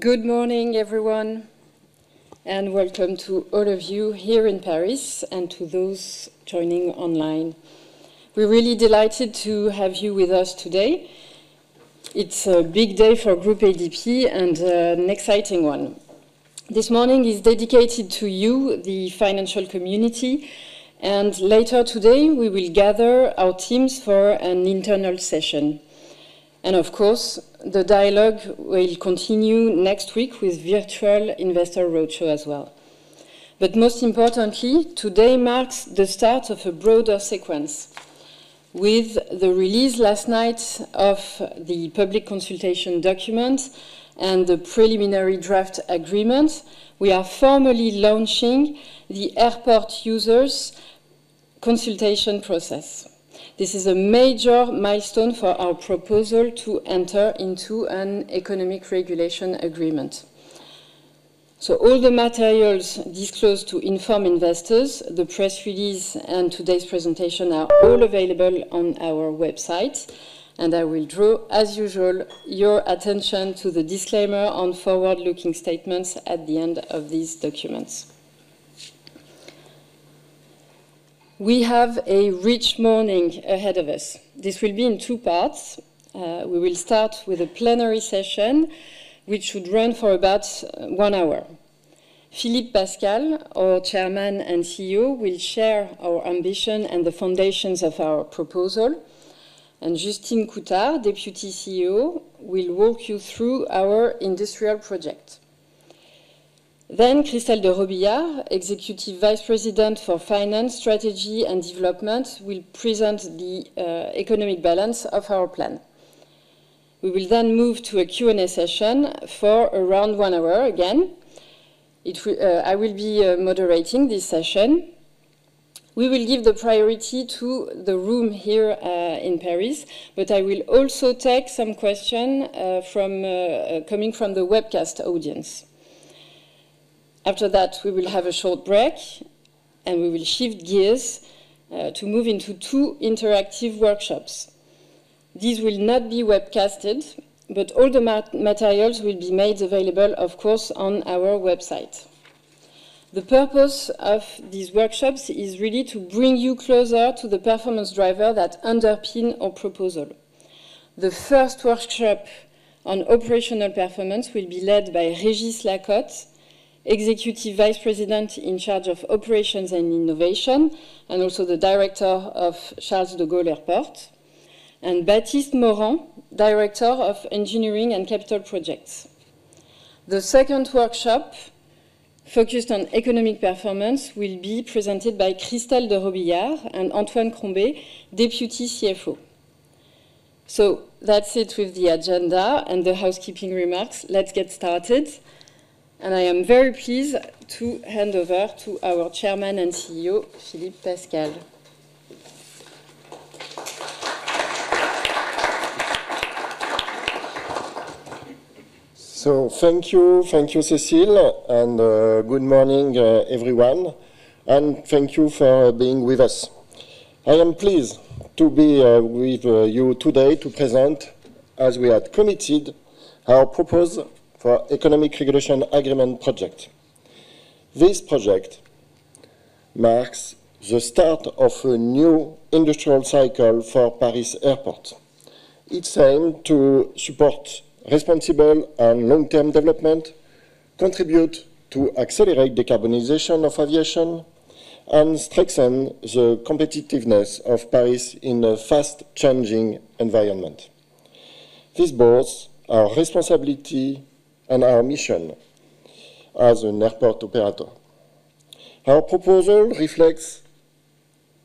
Good morning, everyone, and welcome to all of you here in Paris and to those joining online. We're really delighted to have you with us today. It's a big day for Groupe ADP and an exciting one. This morning is dedicated to you, the financial community, and later today, we will gather our teams for an internal session. Of course, the dialogue will continue next week with a virtual investor roadshow as well. Most importantly, today marks the start of a broader sequence. With the release last night of the public consultation document and the preliminary draft agreement, we are formally launching the airport users' consultation process. This is a major milestone for our proposal to enter into an economic regulation agreement. So all the materials disclosed to inform investors, the press release, and today's presentation are all available on our website, and I will draw, as usual, your attention to the disclaimer on forward-looking statements at the end of these documents. We have a rich morning ahead of us. This will be in two parts. We will start with a plenary session, which should run for about one hour. Philippe Pascal, our Chairman and CEO, will share our ambition and the foundations of our proposal, and Justine Coutard, Deputy CEO, will walk you through our industrial project. Then, Christelle de Robillard, Executive Vice President for Finance, Strategy, and Development, will present the economic balance of our plan. We will then move to a Q&A session for around one hour again. I will be moderating this session. We will give the priority to the room here in Paris, but I will also take some questions coming from the webcast audience. After that, we will have a short break, and we will shift gears to move into two interactive workshops. These will not be webcasted, but all the materials will be made available, of course, on our website. The purpose of these workshops is really to bring you closer to the performance driver that underpins our proposal. The first workshop on operational performance will be led by Régis Lacote, Executive Vice President in charge of Operations and Innovation, and also the Director of Charles de Gaulle Airport, and Baptiste Morand, Director of Engineering and Capital Projects. The second workshop, focused on economic performance, will be presented by Christelle de Robillard and Antoine Crombez, Deputy CFO. So that's it with the agenda and the housekeeping remarks. Let's get started. I am very pleased to hand over to our Chairman and CEO, Philippe Pascal. Thank you. Thank you, Cécile, and good morning, everyone. Thank you for being with us. I am pleased to be with you today to present, as we had committed, our proposal for the Economic Regulation Agreement project. This project marks the start of a new industrial cycle for Paris Airport. Its aim is to support responsible and long-term development, contribute to accelerate decarbonization of aviation, and strengthen the competitiveness of Paris in a fast-changing environment. This both our responsibility and our mission as an airport operator. Our proposal reflects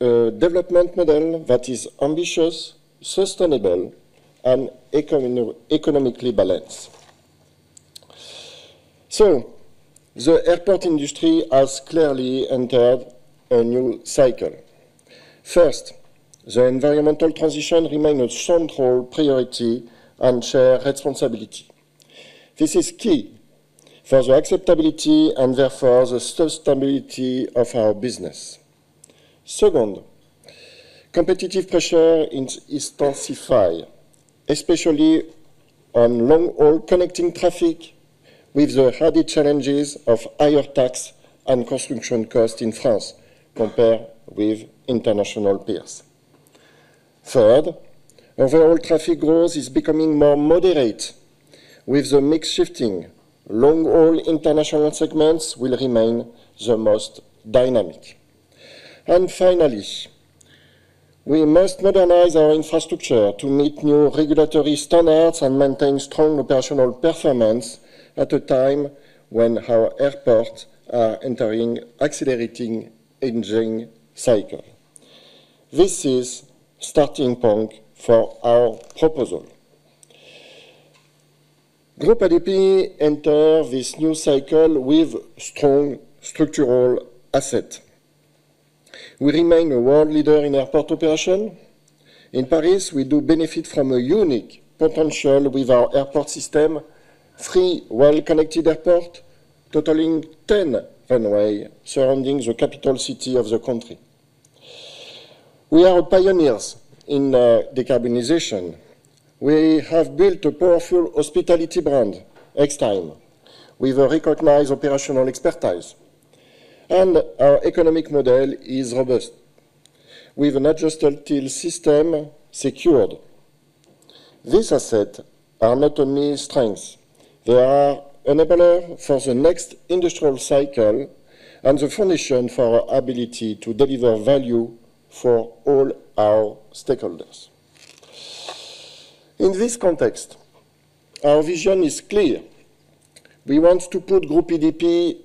a development model that is ambitious, sustainable, and economically balanced. The airport industry has clearly entered a new cycle. First, the environmental transition remains a central priority and shared responsibility. This is key for the acceptability and therefore the sustainability of our business. Second, competitive pressure is intensifying, especially on long-haul connecting traffic with the heavy challenges of higher tax and construction costs in France compared with international peers. Third, overall traffic growth is becoming more moderate with the mix shifting. Long-haul international segments will remain the most dynamic. And finally, we must modernize our infrastructure to meet new regulatory standards and maintain strong operational performance at a time when our airports are entering an accelerating engine cycle. This is the starting point for our proposal. Groupe ADP enters this new cycle with strong structural assets. We remain a world leader in airport operations. In Paris, we do benefit from a unique potential with our airport system: three well-connected airports totaling 10 runways surrounding the capital city of the country. We are pioneers in decarbonization. We have built a powerful hospitality brand, Extime, with recognized operational expertise. Our economic model is robust, with an adjustable system secured. These assets are not only strengths. They are an enabler for the next industrial cycle and the foundation for our ability to deliver value for all our stakeholders. In this context, our vision is clear. We want to put Groupe ADP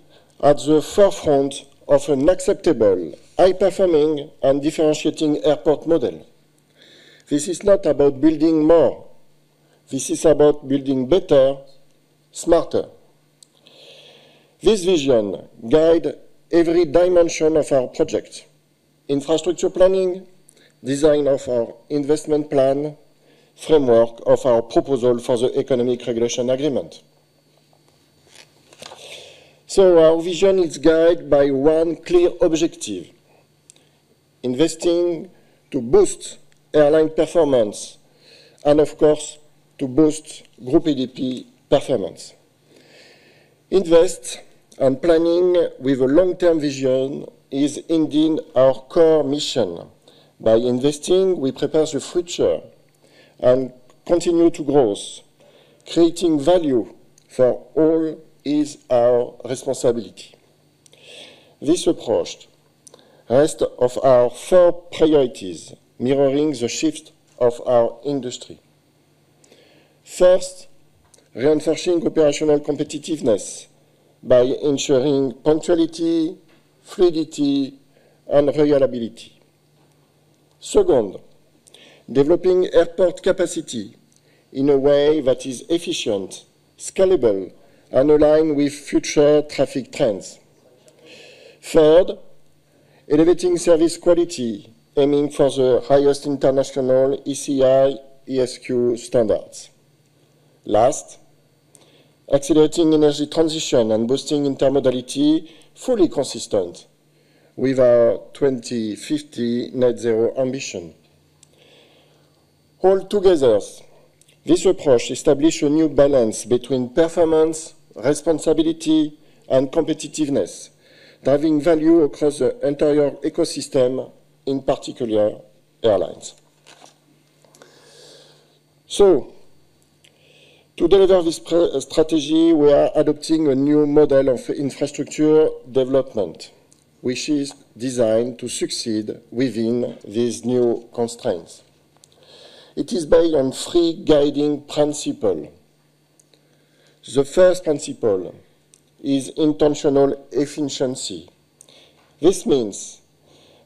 at the forefront of an acceptable, high-performing, and differentiating airport model. This is not about building more. This is about building better, smarter. This vision guides every dimension of our project: infrastructure planning, design of our investment plan, framework of our proposal for the Economic Regulation Agreement. Our vision is guided by one clear objective: investing to boost airline performance and, of course, to boost Groupe ADP performance. Invest and planning with a long-term vision is indeed our core mission. By investing, we prepare the future and continue to grow, creating value for all is our responsibility. This approach rests on our four priorities, mirroring the shift of our industry. First, reinforcing operational competitiveness by ensuring punctuality, fluidity, and reliability. Second, developing airport capacity in a way that is efficient, scalable, and aligned with future traffic trends. Third, elevating service quality, aiming for the highest international ACI ASQ standards. Last, accelerating energy transition and boosting intermodality, fully consistent with our 2050 net-zero ambition. All together, this approach establishes a new balance between performance, responsibility, and competitiveness, driving value across the entire ecosystem, in particular, airlines. So to deliver this strategy, we are adopting a new model of infrastructure development, which is designed to succeed within these new constraints. It is based on three guiding principles. The first principle is intentional efficiency. This means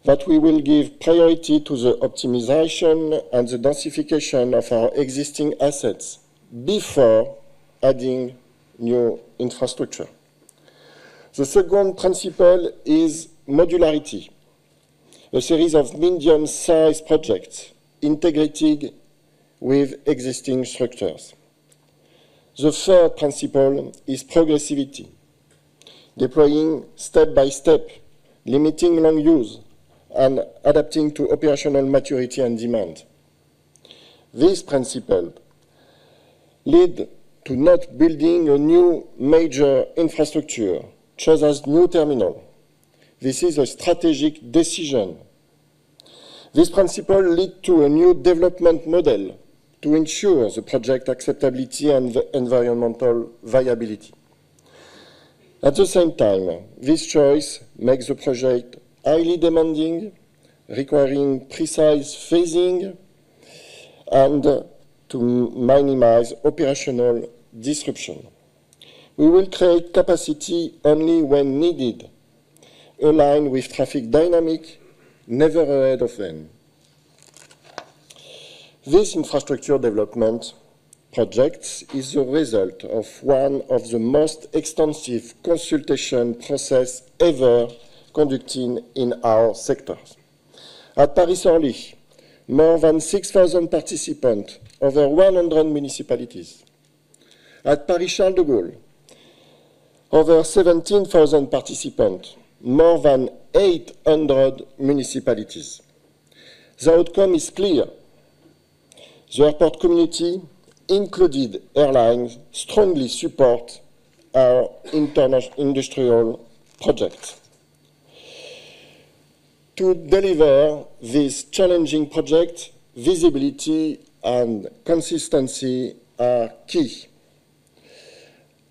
that we will give priority to the optimization and the densification of our existing assets before adding new infrastructure. The second principle is modularity, a series of medium-sized projects integrated with existing structures. The third principle is progressivity, deploying step by step, limiting long use, and adapting to operational maturity and demand. These principles lead to not building a new major infrastructure such as a new terminal. This is a strategic decision. This principle leads to a new development model to ensure the project acceptability and environmental viability. At the same time, this choice makes the project highly demanding, requiring precise phasing and to minimize operational disruption. We will create capacity only when needed, aligned with traffic dynamics, never ahead of them. This infrastructure development project is the result of one of the most extensive consultation processes ever conducted in our sector. At Paris-Orly, more than 6,000 participants, over 100 municipalities. At Paris-Charles de Gaulle, over 17,000 participants, more than 800 municipalities. The outcome is clear. The airport community, including airlines, strongly supports our international industrial project. To deliver this challenging project, visibility and consistency are key.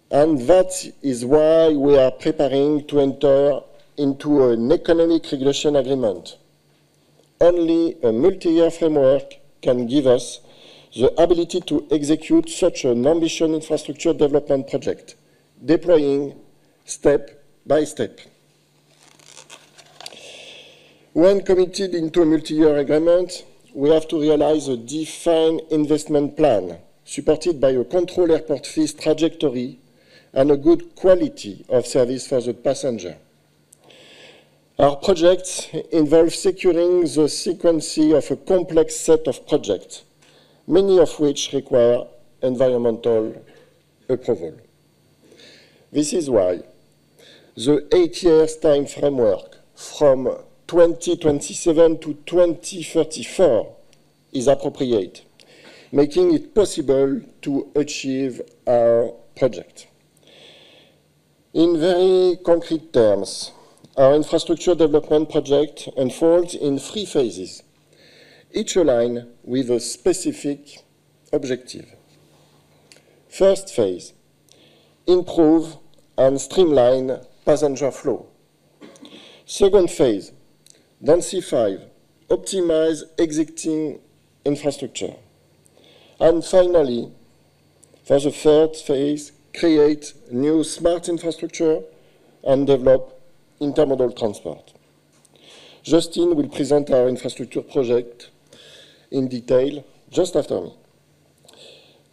That is why we are preparing to enter into an Economic Regulation Agreement. Only a multi-year framework can give us the ability to execute such an ambitious infrastructure development project, deploying step by step. When committed into a multi-year agreement, we have to realize a defined investment plan supported by a controlled airport fees trajectory and a good quality of service for the passenger. Our projects involve securing the sequence of a complex set of projects, many of which require environmental approval. This is why the eight-year time framework from 2027 to 2034 is appropriate, making it possible to achieve our project. In very concrete terms, our infrastructure development project unfolds in three phases, each aligned with a specific objective. First phase: improve and streamline passenger flow. Second phase: densify, optimize existing infrastructure. Finally, for the third phase, create new smart infrastructure and develop intermodal transport. Justine will present our infrastructure project in detail just after me.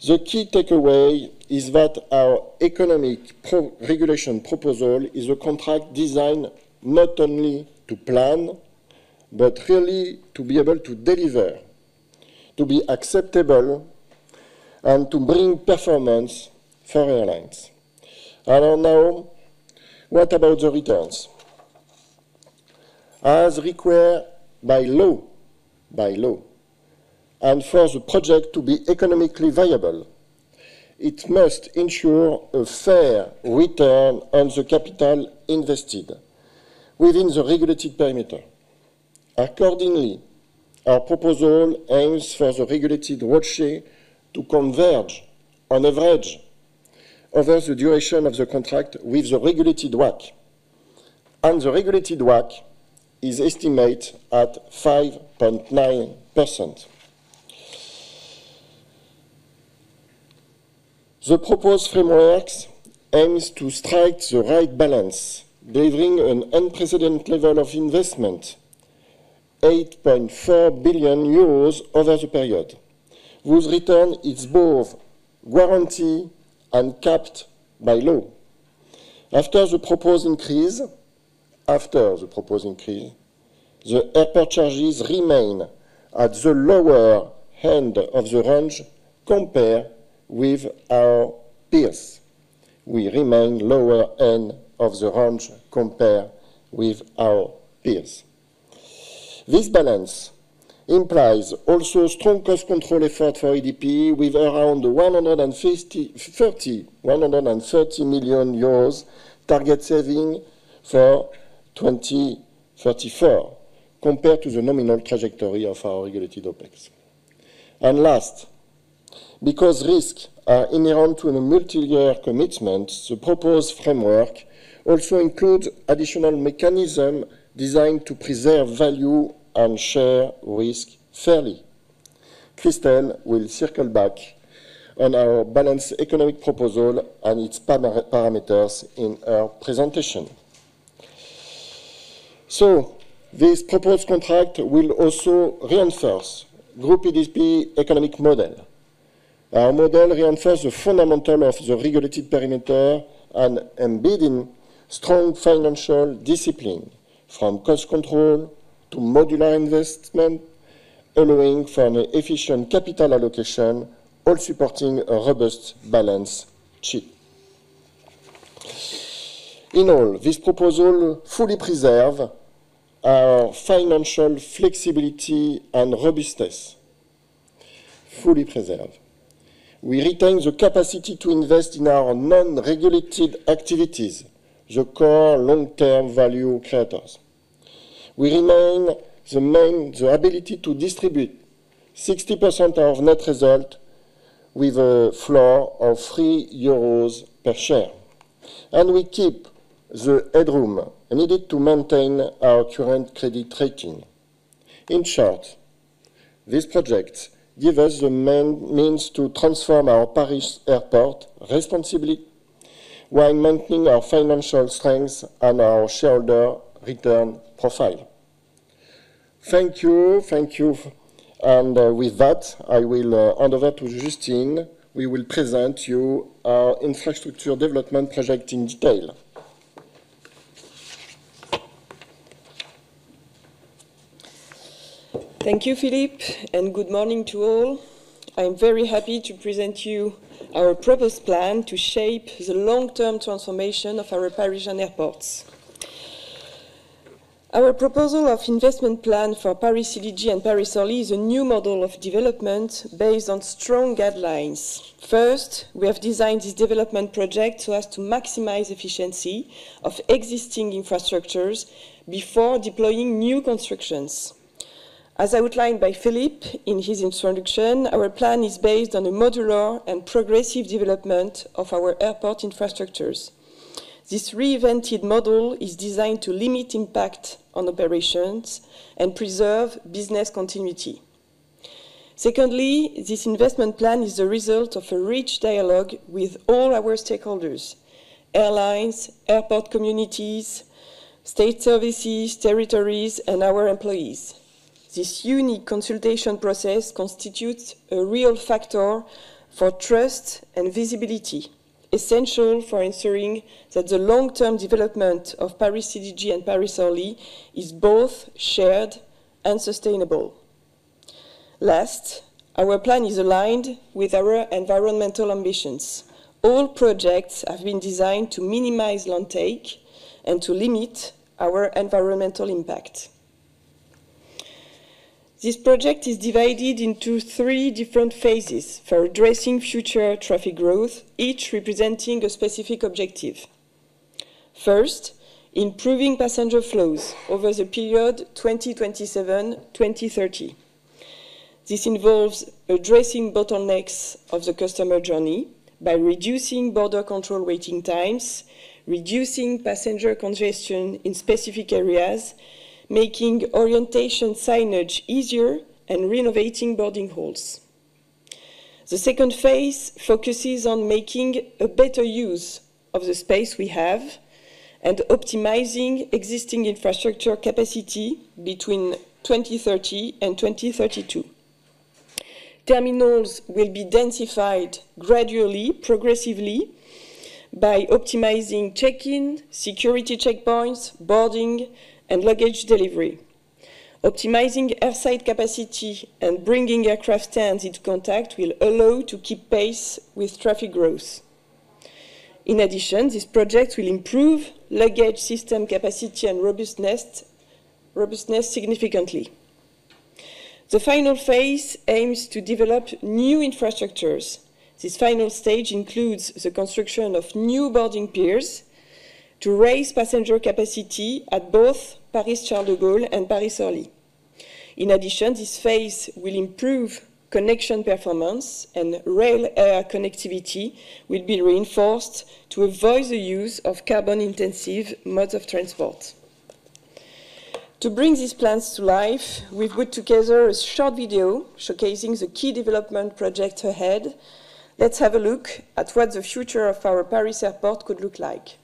The key takeaway is that our Economic Regulation proposal is a contract designed not only to plan, but really to be able to deliver, to be acceptable, and to bring performance for airlines. Now, what about the returns? As required by law, and for the project to be economically viable, it must ensure a fair return on the capital invested within the regulated perimeter. Accordingly, our proposal aims for the regulated watershed to converge, on average, over the duration of the contract with the regulated WACC. The regulated WACC is estimated at 5.9%. The proposed framework aims to strike the right balance, delivering an unprecedented level of investment: 8.4 billion euros over the period, whose return is both guaranteed and capped by law. After the proposed increase, the airport charges remain at the lower end of the range compared with our peers. We remain lower end of the range compared with our peers. This balance implies also a strong cost control effort for ADP with around 130 million euros target saving for 2034, compared to the nominal trajectory of our regulated OPEX. Last, because risks are inherent to a multi-year commitment, the proposed framework also includes additional mechanisms designed to preserve value and share risk fairly. Christelle will circle back on our balanced economic proposal and its parameters in her presentation. This proposed contract will also reinforce Groupe ADP's economic model. Our model reinforces the fundamentals of the regulated perimeter and embedding strong financial discipline from cost control to modular investment, allowing for an efficient capital allocation, all supporting a robust balance sheet. In all, this proposal fully preserves our financial flexibility and robustness. Fully preserved. We retain the capacity to invest in our non-regulated activities, the core long-term value creators. We retain the ability to distribute 60% of net result with a floor of 3 euros per share. We keep the headroom needed to maintain our current credit rating. In short, these projects give us the means to transform our Paris Airport responsibly while maintaining our financial strength and our shareholder return profile. Thank you. Thank you. And with that, I will hand over to Justine. We will present to you our infrastructure development project in detail. Thank you, Philippe, and good morning to all. I am very happy to present to you our proposed plan to shape the long-term transformation of our Parisian airports. Our proposal of investment plan for Paris-CDG and Paris-Orly is a new model of development based on strong guidelines. First, we have designed this development project so as to maximize the efficiency of existing infrastructures before deploying new constructions. As outlined by Philippe in his introduction, our plan is based on a modular and progressive development of our airport infrastructures. This reinvented model is designed to limit impact on operations and preserve business continuity. Secondly, this investment plan is the result of a rich dialogue with all our stakeholders: airlines, airport communities, state services, territories, and our employees. This unique consultation process constitutes a real factor for trust and visibility, essential for ensuring that the long-term development of Paris-CDG and Paris-Orly is both shared and sustainable. Last, our plan is aligned with our environmental ambitions. All projects have been designed to minimize land take and to limit our environmental impact. This project is divided into three different phases for addressing future traffic growth, each representing a specific objective. First, improving passenger flows over the period 2027-2030. This involves addressing bottlenecks of the customer journey by reducing border control waiting times, reducing passenger congestion in specific areas, making orientation signage easier, and renovating boarding halls. The second phase focuses on making a better use of the space we have and optimizing existing infrastructure capacity between 2030 and 2032. Terminals will be densified gradually, progressively, by optimizing check-in, security checkpoints, boarding, and luggage delivery. Optimizing airside capacity and bringing aircraft stands into contact will allow us to keep pace with traffic growth. In addition, this project will improve luggage system capacity and robustness significantly. The final phase aims to develop new infrastructures. This final stage includes the construction of new boarding piers to raise passenger capacity at both Paris-Charles de Gaulle and Paris-Orly. In addition, this phase will improve connection performance, and rail connectivity will be reinforced to avoid the use of carbon-intensive modes of transport. To bring these plans to life, we've put together a short video showcasing the key development projects ahead. Let's have a look at what the future of our Paris Airport could look like.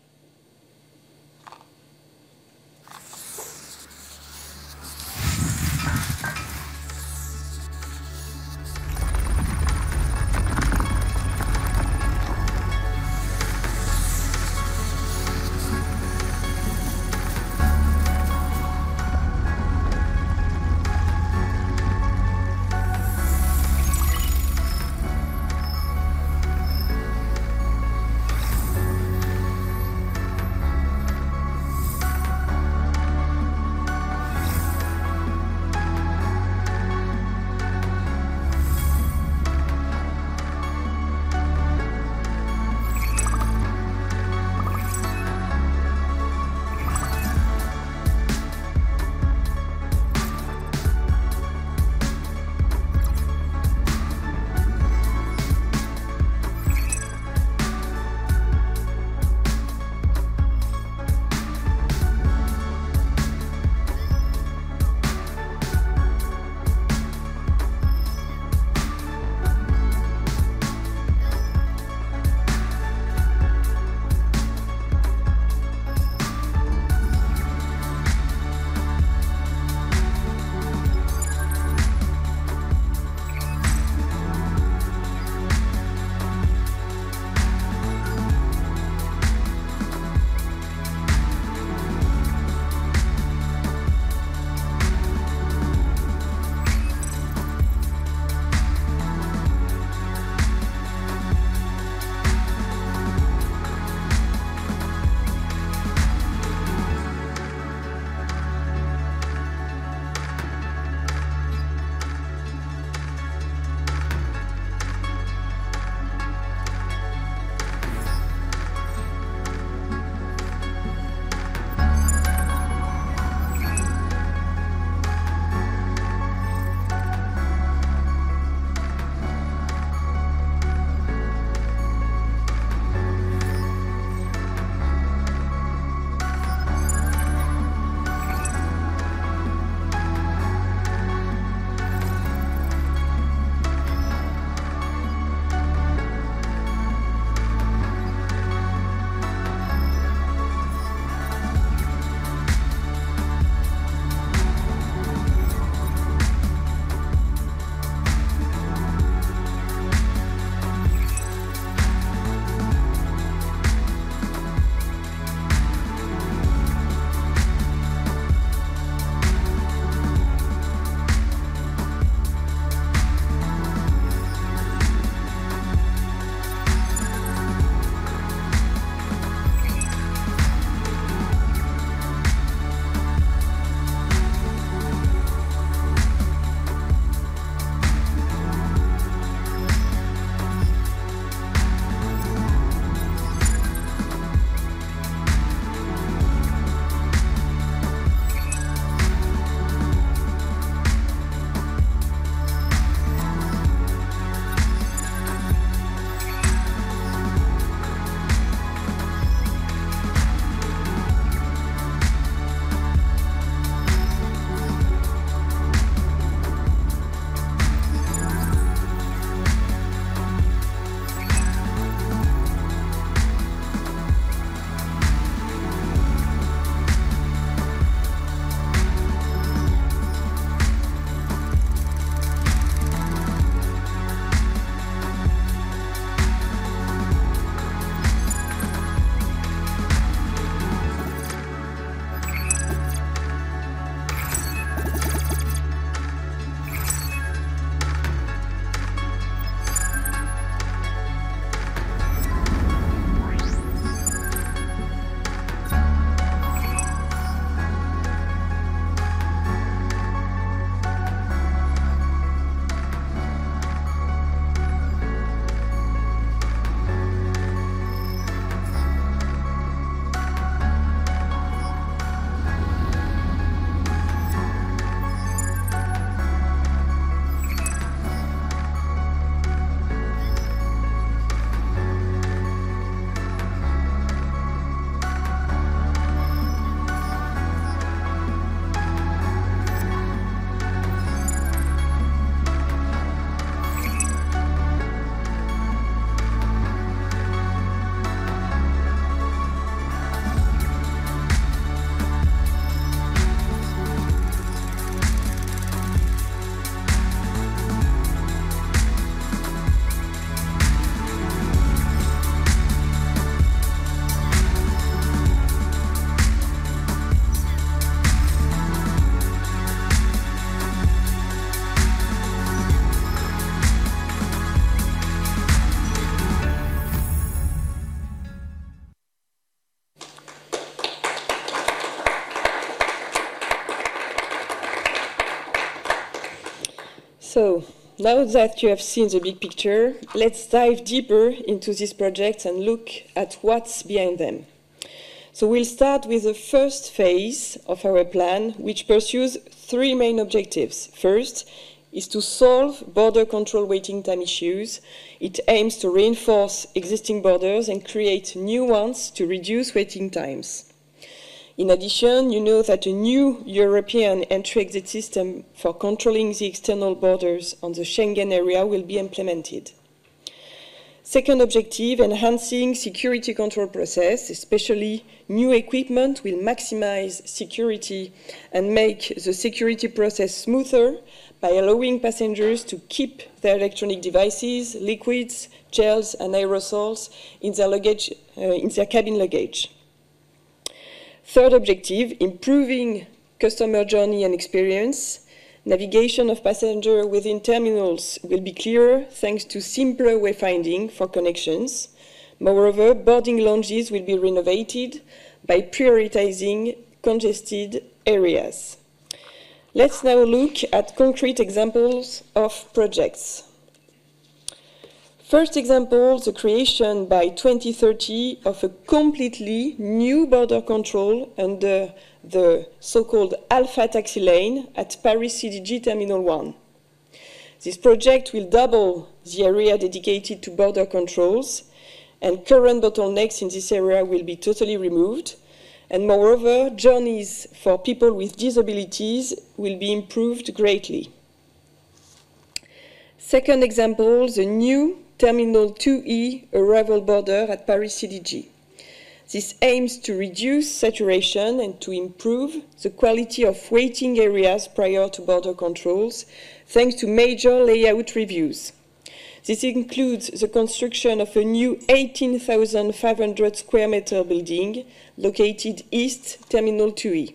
So now that you have seen the big picture, let's dive deeper into these projects and look at what's behind them. So we'll start with the first phase of our plan, which pursues three main objectives. First is to solve border control waiting time issues. It aims to reinforce existing borders and create new ones to reduce waiting times. In addition, you know that a new European entry-exit system for controlling the external borders on the Schengen Area will be implemented. Second objective: enhancing the security control process, especially, new equipment will maximize security and make the security process smoother by allowing passengers to keep their electronic devices, liquids, gels, and aerosols in their cabin luggage. Third objective: improving customer journey and experience. Navigation of passengers within terminals will be clearer thanks to simpler wayfinding for connections. Moreover, boarding lounges will be renovated by prioritizing congested areas. Let's now look at concrete examples of projects. First example: the creation by 2030 of a completely new border control under the so-called Alpha Taxi Lane at Paris-CDG Terminal 1. This project will double the area dedicated to border controls, and current bottlenecks in this area will be totally removed. Moreover, journeys for people with disabilities will be improved greatly. Second example: the new Terminal 2E arrival border at Paris-CDG. This aims to reduce saturation and to improve the quality of waiting areas prior to border controls thanks to major layout reviews. This includes the construction of a new 18,500 sq m building located east of Terminal 2E.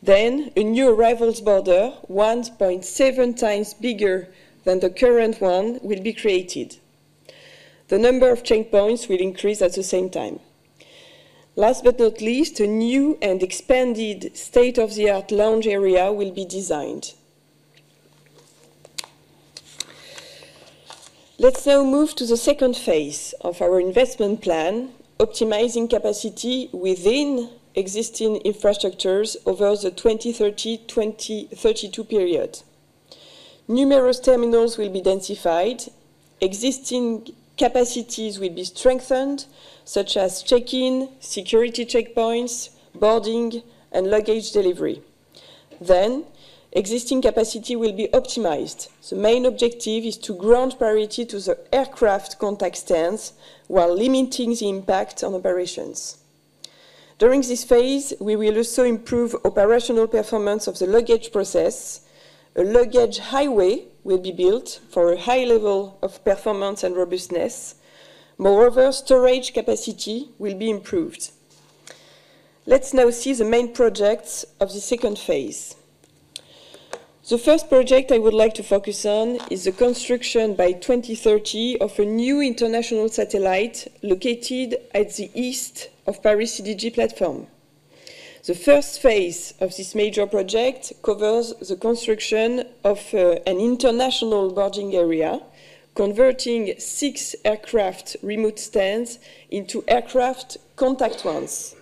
Then, a new arrivals border, 1.7x bigger than the current one, will be created. The number of checkpoints will increase at the same time. Last but not least, a new and expanded state-of-the-art lounge area will be designed. Let's now move to the second phase of our investment plan: optimizing capacity within existing infrastructures over the 2030-2032 period. Numerous terminals will be densified. Existing capacities will be strengthened, such as check-in, security checkpoints, boarding, and luggage delivery. Then, existing capacity will be optimized. The main objective is to grant priority to the aircraft contact stands while limiting the impact on operations. During this phase, we will also improve operational performance of the luggage process. A luggage highway will be built for a high level of performance and robustness. Moreover, storage capacity will be improved. Let's now see the main projects of the second phase. The first project I would like to focus on is the construction by 2030 of a new international satellite located at the east of Paris-CDG platform. The first phase of this major project covers the construction of an international boarding area, converting six aircraft remote stands into aircraft contact ones.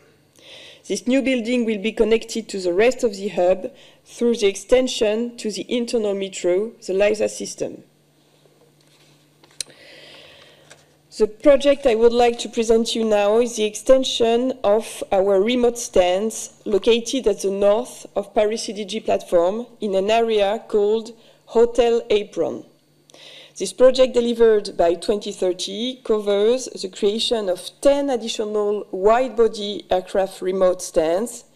This new building will be connected to the rest of the hub through the extension to the internal metro, the LISA system. The project I would like to present to you now is the extension of our remote stands located at the north of Paris-CDG platform in an area called HOTEL Apron. This project, delivered by 2030, covers the creation of 10 additional wide-body aircraft remote stands,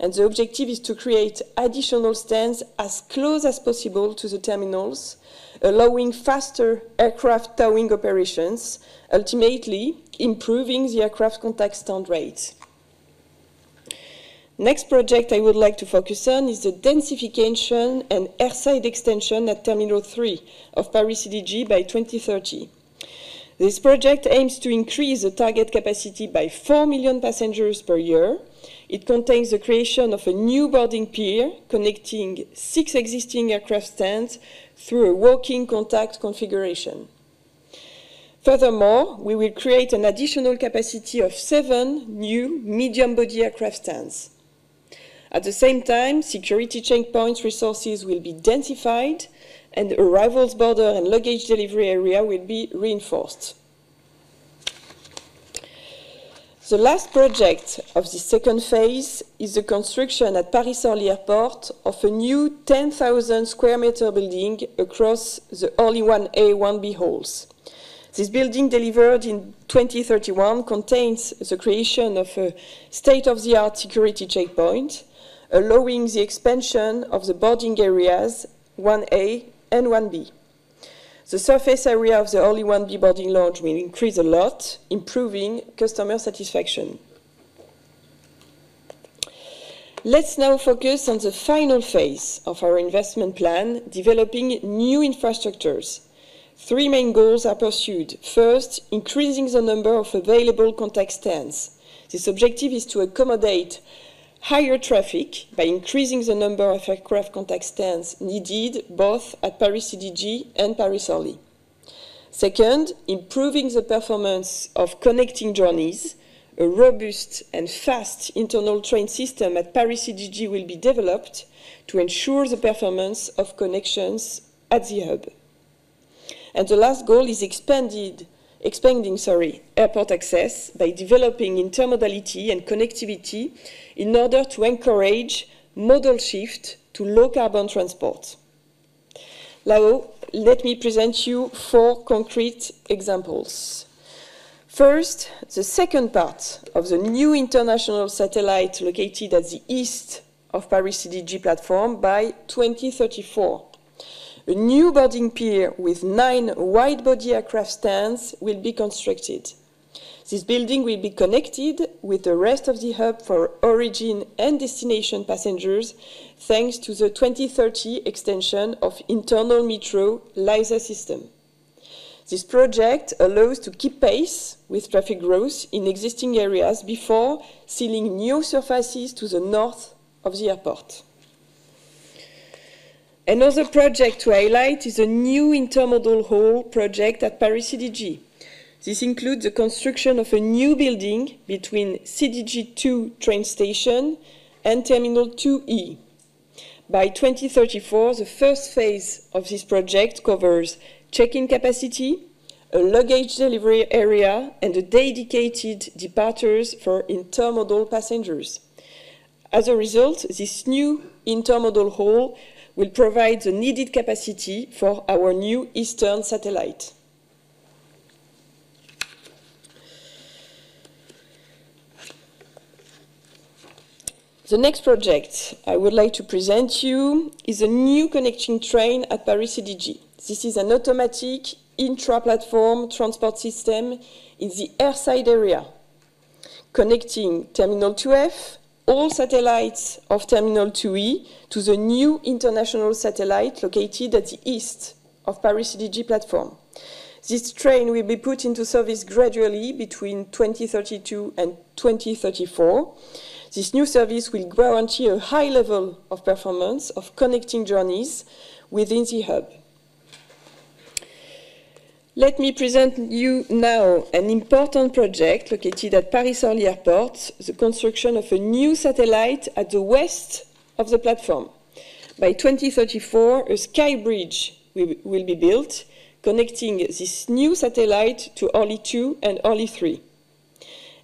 and the objective is to create additional stands as close as possible to the terminals, allowing faster aircraft towing operations, ultimately improving the aircraft contact stand rate. The next project I would like to focus on is the densification and airside extension at Terminal 3 of Paris-CDG by 2030. This project aims to increase the target capacity by 4 million passengers per year. It contains the creation of a new boarding pier connecting six existing aircraft stands through a walking contact configuration. Furthermore, we will create an additional capacity of seven new medium-body aircraft stands. At the same time, security checkpoint resources will be densified, and the arrivals border and luggage delivery area will be reinforced. The last project of the second phase is the construction at Paris-Orly Airport of a new 10,000 sq m building across the Orly 1A/1B halls. This building, delivered in 2031, contains the creation of a state-of-the-art security checkpoint, allowing the expansion of the boarding areas 1A and 1B. The surface area of the Orly 1B boarding lounge will increase a lot, improving customer satisfaction. Let's now focus on the final phase of our investment plan: developing new infrastructures. Three main goals are pursued. First, increasing the number of available contact stands. This objective is to accommodate higher traffic by increasing the number of aircraft contact stands needed both at Paris-CDG and Paris-Orly. Second, improving the performance of connecting journeys. A robust and fast internal train system at Paris-CDG will be developed to ensure the performance of connections at the hub. The last goal is expanding airport access by developing intermodality and connectivity in order to encourage modal shift to low-carbon transport. Now, let me present to you four concrete examples. First, the second part of the new international satellite located at the east of Paris-CDG platform by 2034. A new boarding pier with nine wide-body aircraft stands will be constructed. This building will be connected with the rest of the hub for origin and destination passengers thanks to the 2030 extension of the internal metro LISA system. This project allows us to keep pace with traffic growth in existing areas before sealing new surfaces to the north of the airport. Another project to highlight is a new intermodal hall project at Paris-CDG. This includes the construction of a new building between CDG 2 train station and Terminal 2E. By 2034, the first phase of this project covers check-in capacity, a luggage delivery area, and dedicated departures for intermodal passengers. As a result, this new intermodal hall will provide the needed capacity for our new eastern satellite. The next project I would like to present to you is a new connecting train at Paris-CDG. This is an automatic intra-platform transport system in the airside area, connecting Terminal 2F, all satellites of Terminal 2E, to the new international satellite located at the east of Paris-CDG platform. This train will be put into service gradually between 2032 and 2034. This new service will guarantee a high level of performance of connecting journeys within the hub. Let me present to you now an important project located at Paris-Orly Airport: the construction of a new satellite at the west of the platform. By 2034, a sky bridge will be built connecting this new satellite to Orly 2 and Orly 3.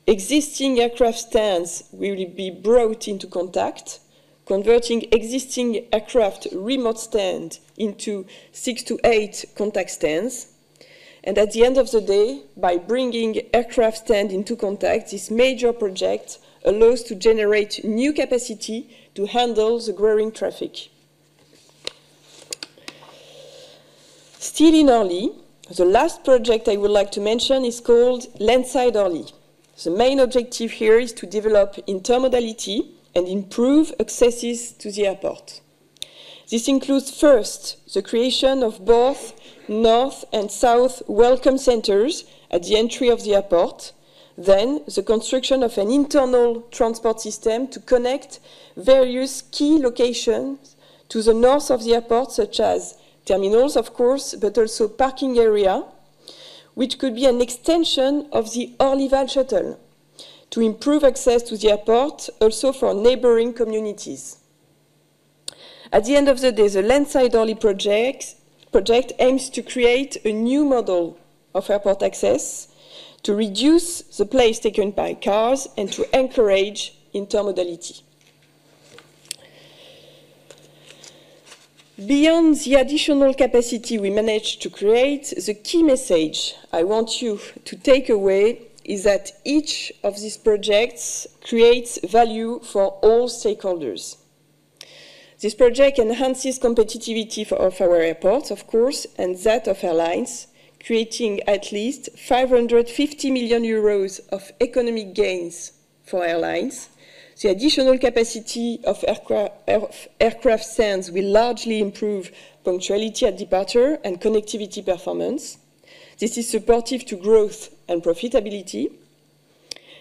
Existing aircraft stands will be brought into contact, converting existing aircraft remote stands into six to eight contact stands. At the end of the day, by bringing aircraft stands into contact, this major project allows us to generate new capacity to handle the growing traffic. Still in Orly, the last project I would like to mention is called Landside Orly. The main objective here is to develop intermodality and improve accesses to the airport. This includes, first, the creation of both north and south welcome centers at the entry of the airport. Then, the construction of an internal transport system to connect various key locations to the north of the airport, such as terminals, of course, but also parking areas, which could be an extension of the OrlyVal shuttle to improve access to the airport also for neighboring communities. At the end of the day, the Landside Orly project aims to create a new model of airport access to reduce the place taken by cars and to encourage intermodality. Beyond the additional capacity we managed to create, the key message I want you to take away is that each of these projects creates value for all stakeholders. This project enhances competitiveness of our airports, of course, and that of airlines, creating at least 550 million euros of economic gains for airlines. The additional capacity of aircraft stands will largely improve punctuality at departure and connectivity performance. This is supportive to growth and profitability.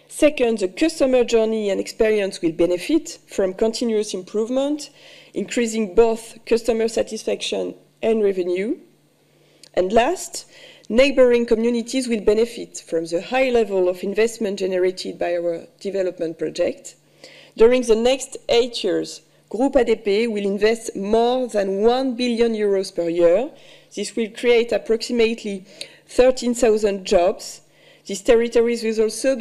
Second, the customer journey and experience will benefit from continuous improvement, increasing both customer satisfaction and revenue. And last, neighboring communities will benefit from the high level of investment generated by our development project. During the next eight years, Groupe ADP will invest more than 1 billion euros per year. This will create approximately 13,000 jobs. These territories will also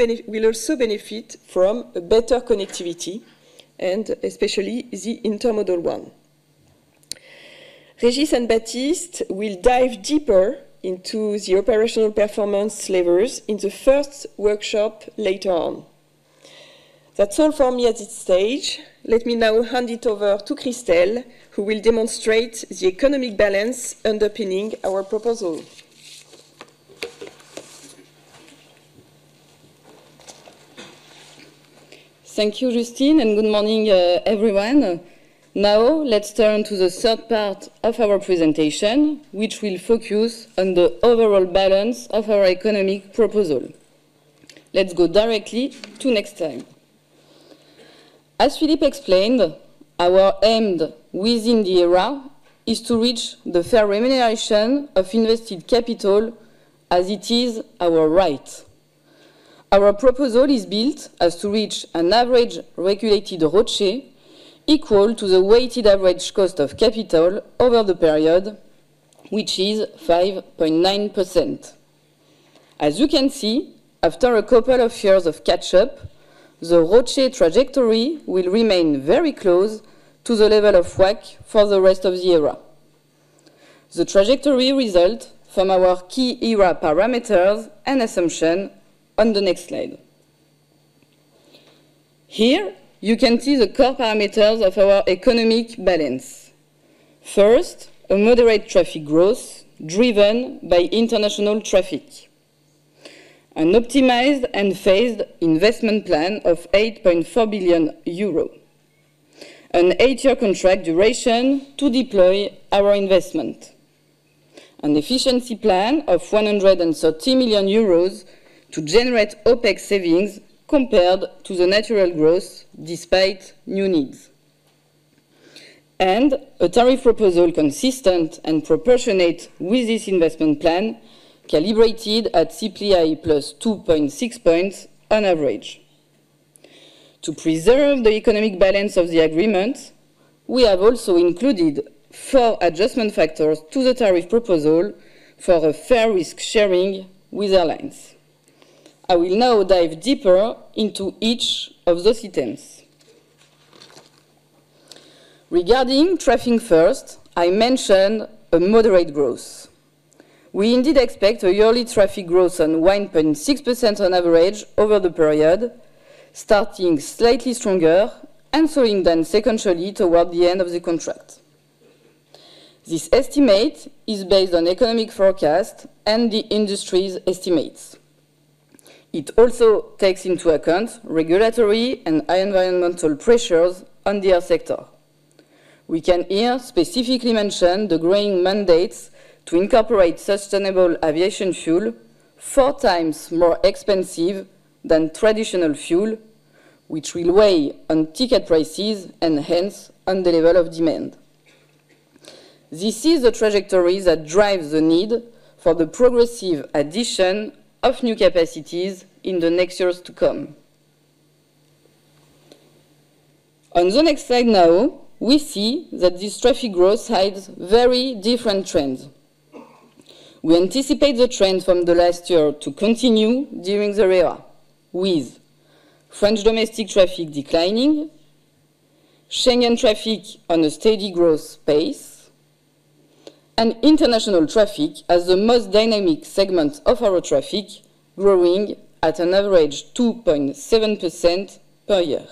benefit from better connectivity, and especially the intermodal one. Régis and Baptiste will dive deeper into the operational performance levers in the first workshop later on. That's all from me at this stage. Let me now hand it over to Christelle, who will demonstrate the economic balance underpinning our proposal. Thank you, Justine, and good morning, everyone. Now, let's turn to the third part of our presentation, which will focus on the overall balance of our economic proposal. Let's go directly to next time. As Philippe explained, our aim within the ERA is to reach the fair remuneration of invested capital as it is our right. Our proposal is built as to reach an average regulated RAB share equal to the weighted average cost of capital over the period, which is 5.9%. As you can see, after a couple of years of catch-up, the RAB share trajectory will remain very close to the level of WACC for the rest of the ERA. The trajectory results from our key ERA parameters and assumptions on the next slide. Here, you can see the core parameters of our economic balance. First, a moderate traffic growth driven by international traffic, an optimized and phased investment plan of 8.4 billion euro, an eight-year contract duration to deploy our investment, an efficiency plan of 130 million euros to generate OPEX savings compared to the natural growth despite new needs, and a tariff proposal consistent and proportionate with this investment plan, calibrated at CPI +2.6 points on average. To preserve the economic balance of the agreement, we have also included four adjustment factors to the tariff proposal for a fair risk sharing with airlines. I will now dive deeper into each of those items. Regarding traffic first, I mentioned a moderate growth. We indeed expect a yearly traffic growth on 1.6% on average over the period, starting slightly stronger and slowing down sequentially toward the end of the contract. This estimate is based on economic forecasts and the industry's estimates. It also takes into account regulatory and environmental pressures on the air sector. We can here specifically mention the growing mandates to incorporate sustainable aviation fuel, four times more expensive than traditional fuel, which will weigh on ticket prices and hence on the level of demand. This is the trajectory that drives the need for the progressive addition of new capacities in the next years to come. On the next slide now, we see that this traffic growth hides very different trends. We anticipate the trend from the last year to continue during the ERA, with French domestic traffic declining, Schengen traffic on a steady growth pace, and international traffic as the most dynamic segment of our traffic, growing at an average 2.7% per year.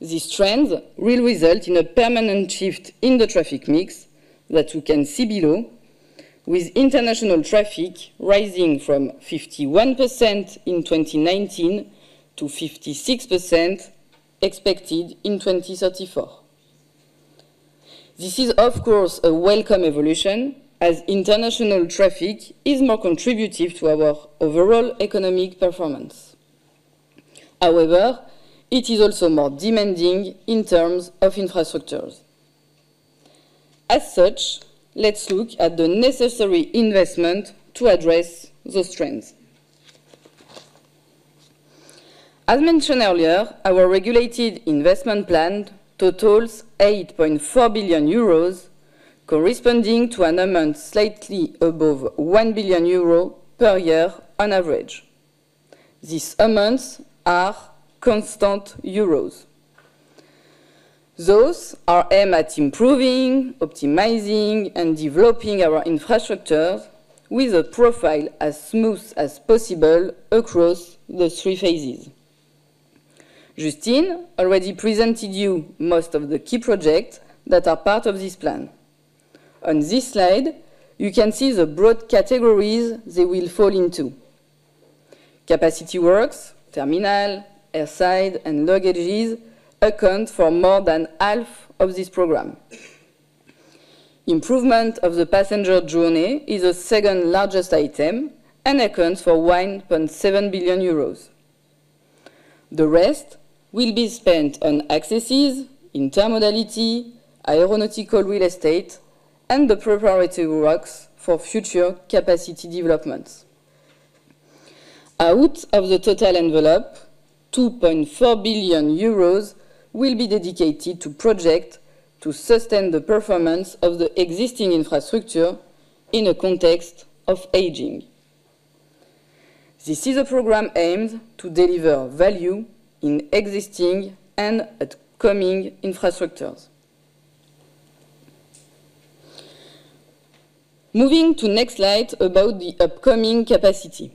These trends will result in a permanent shift in the traffic mix that you can see below, with international traffic rising from 51% in 2019 to 56% expected in 2034. This is, of course, a welcome evolution as international traffic is more contributive to our overall economic performance. However, it is also more demanding in terms of infrastructures. As such, let's look at the necessary investment to address those trends. As mentioned earlier, our regulated investment plan totals 8.4 billion euros, corresponding to an amount slightly above 1 billion euros per year on average. These amounts are constant euros. Those are aimed at improving, optimizing, and developing our infrastructures with a profile as smooth as possible across the three phases. Justine already presented to you most of the key projects that are part of this plan. On this slide, you can see the broad categories they will fall into. Capacity works, terminal, airside, and luggage account for more than half of this program. Improvement of the passenger journey is the second largest item and accounts for 1.7 billion euros. The rest will be spent on accesses, intermodality, aeronautical real estate, and the preparatory works for future capacity developments. Out of the total envelope, 2.4 billion euros will be dedicated to projects to sustain the performance of the existing infrastructure in a context of aging. This is a program aimed to deliver value in existing and upcoming infrastructures. Moving to the next slide about the upcoming capacity.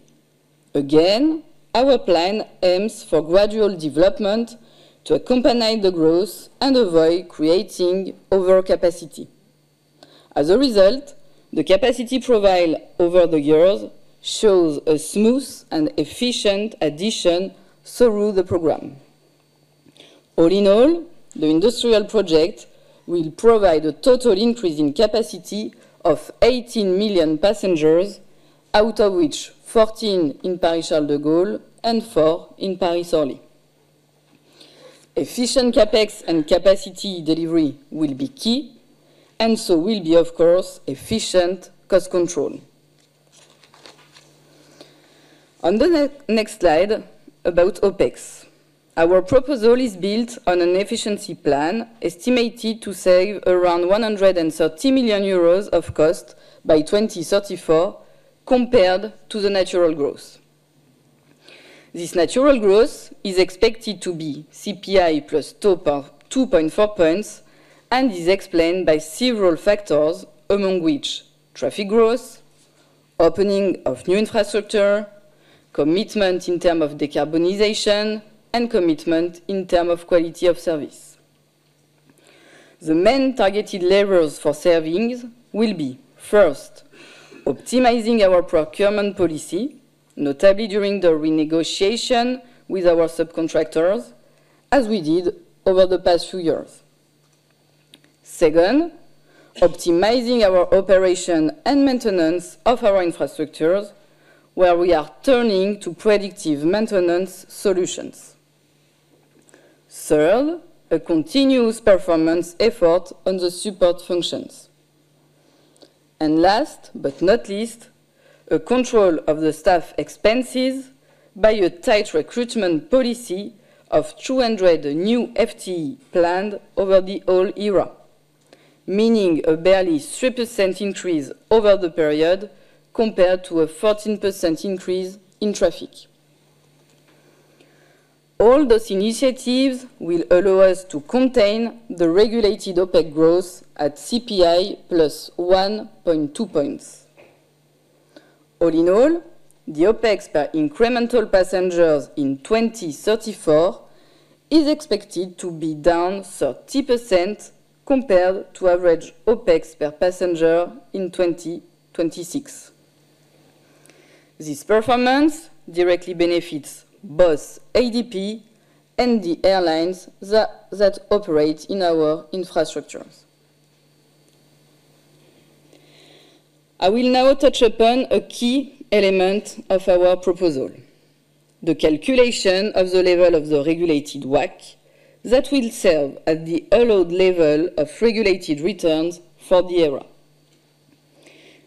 Again, our plan aims for gradual development to accompany the growth and avoid creating overcapacity. As a result, the capacity profile over the years shows a smooth and efficient addition through the program. All in all, the industrial project will provide a total increase in capacity of 18 million passengers, out of which 14 in Paris-Charles de Gaulle and four in Paris-Orly. Efficient CAPEX and capacity delivery will be key, and so will be, of course, efficient cost control. On the next slide about OPEX, our proposal is built on an efficiency plan estimated to save around 130 million euros of cost by 2034 compared to the natural growth. This natural growth is expected to be CPI +2.4 points and is explained by several factors, among which traffic growth, opening of new infrastructure, commitment in terms of decarbonization, and commitment in terms of quality of service. The main targeted levers for savings will be, first, optimizing our procurement policy, notably during the renegotiation with our subcontractors, as we did over the past few years. Second, optimizing our operation and maintenance of our infrastructures, where we are turning to predictive maintenance solutions. Third, a continuous performance effort on the support functions. And last but not least, a control of the staff expenses by a tight recruitment policy of 200 new FTE planned over the whole ERA, meaning a barely 3% increase over the period compared to a 14% increase in traffic. All those initiatives will allow us to contain the regulated OPEX growth at CPI +1.2 points. All in all, the OPEX per incremental passengers in 2034 is expected to be down 30% compared to average OPEX per passenger in 2026. This performance directly benefits both ADP and the airlines that operate in our infrastructures. I will now touch upon a key element of our proposal, the calculation of the level of the regulated WACC that will serve as the allowed level of regulated returns for the ERA.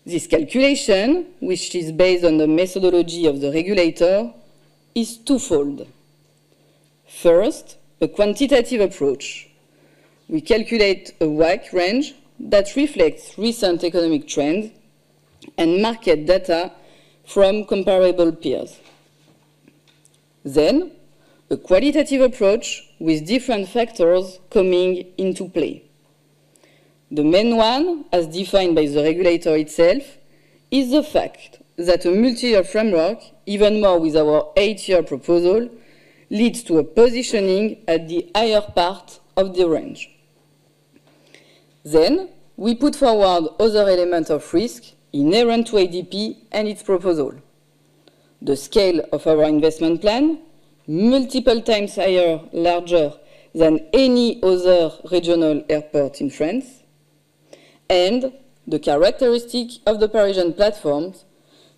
This calculation, which is based on the methodology of the regulator, is twofold. First, a quantitative approach. We calculate a WACC range that reflects recent economic trends and market data from comparable peers. Then, a qualitative approach with different factors coming into play. The main one, as defined by the regulator itself, is the fact that a multi-year framework, even more with our eight-year proposal, leads to a positioning at the higher part of the range. Then, we put forward other elements of risk inherent to ADP and its proposal. The scale of our investment plan, multiple times higher, larger than any other regional airport in France, and the characteristics of the Parisian platforms,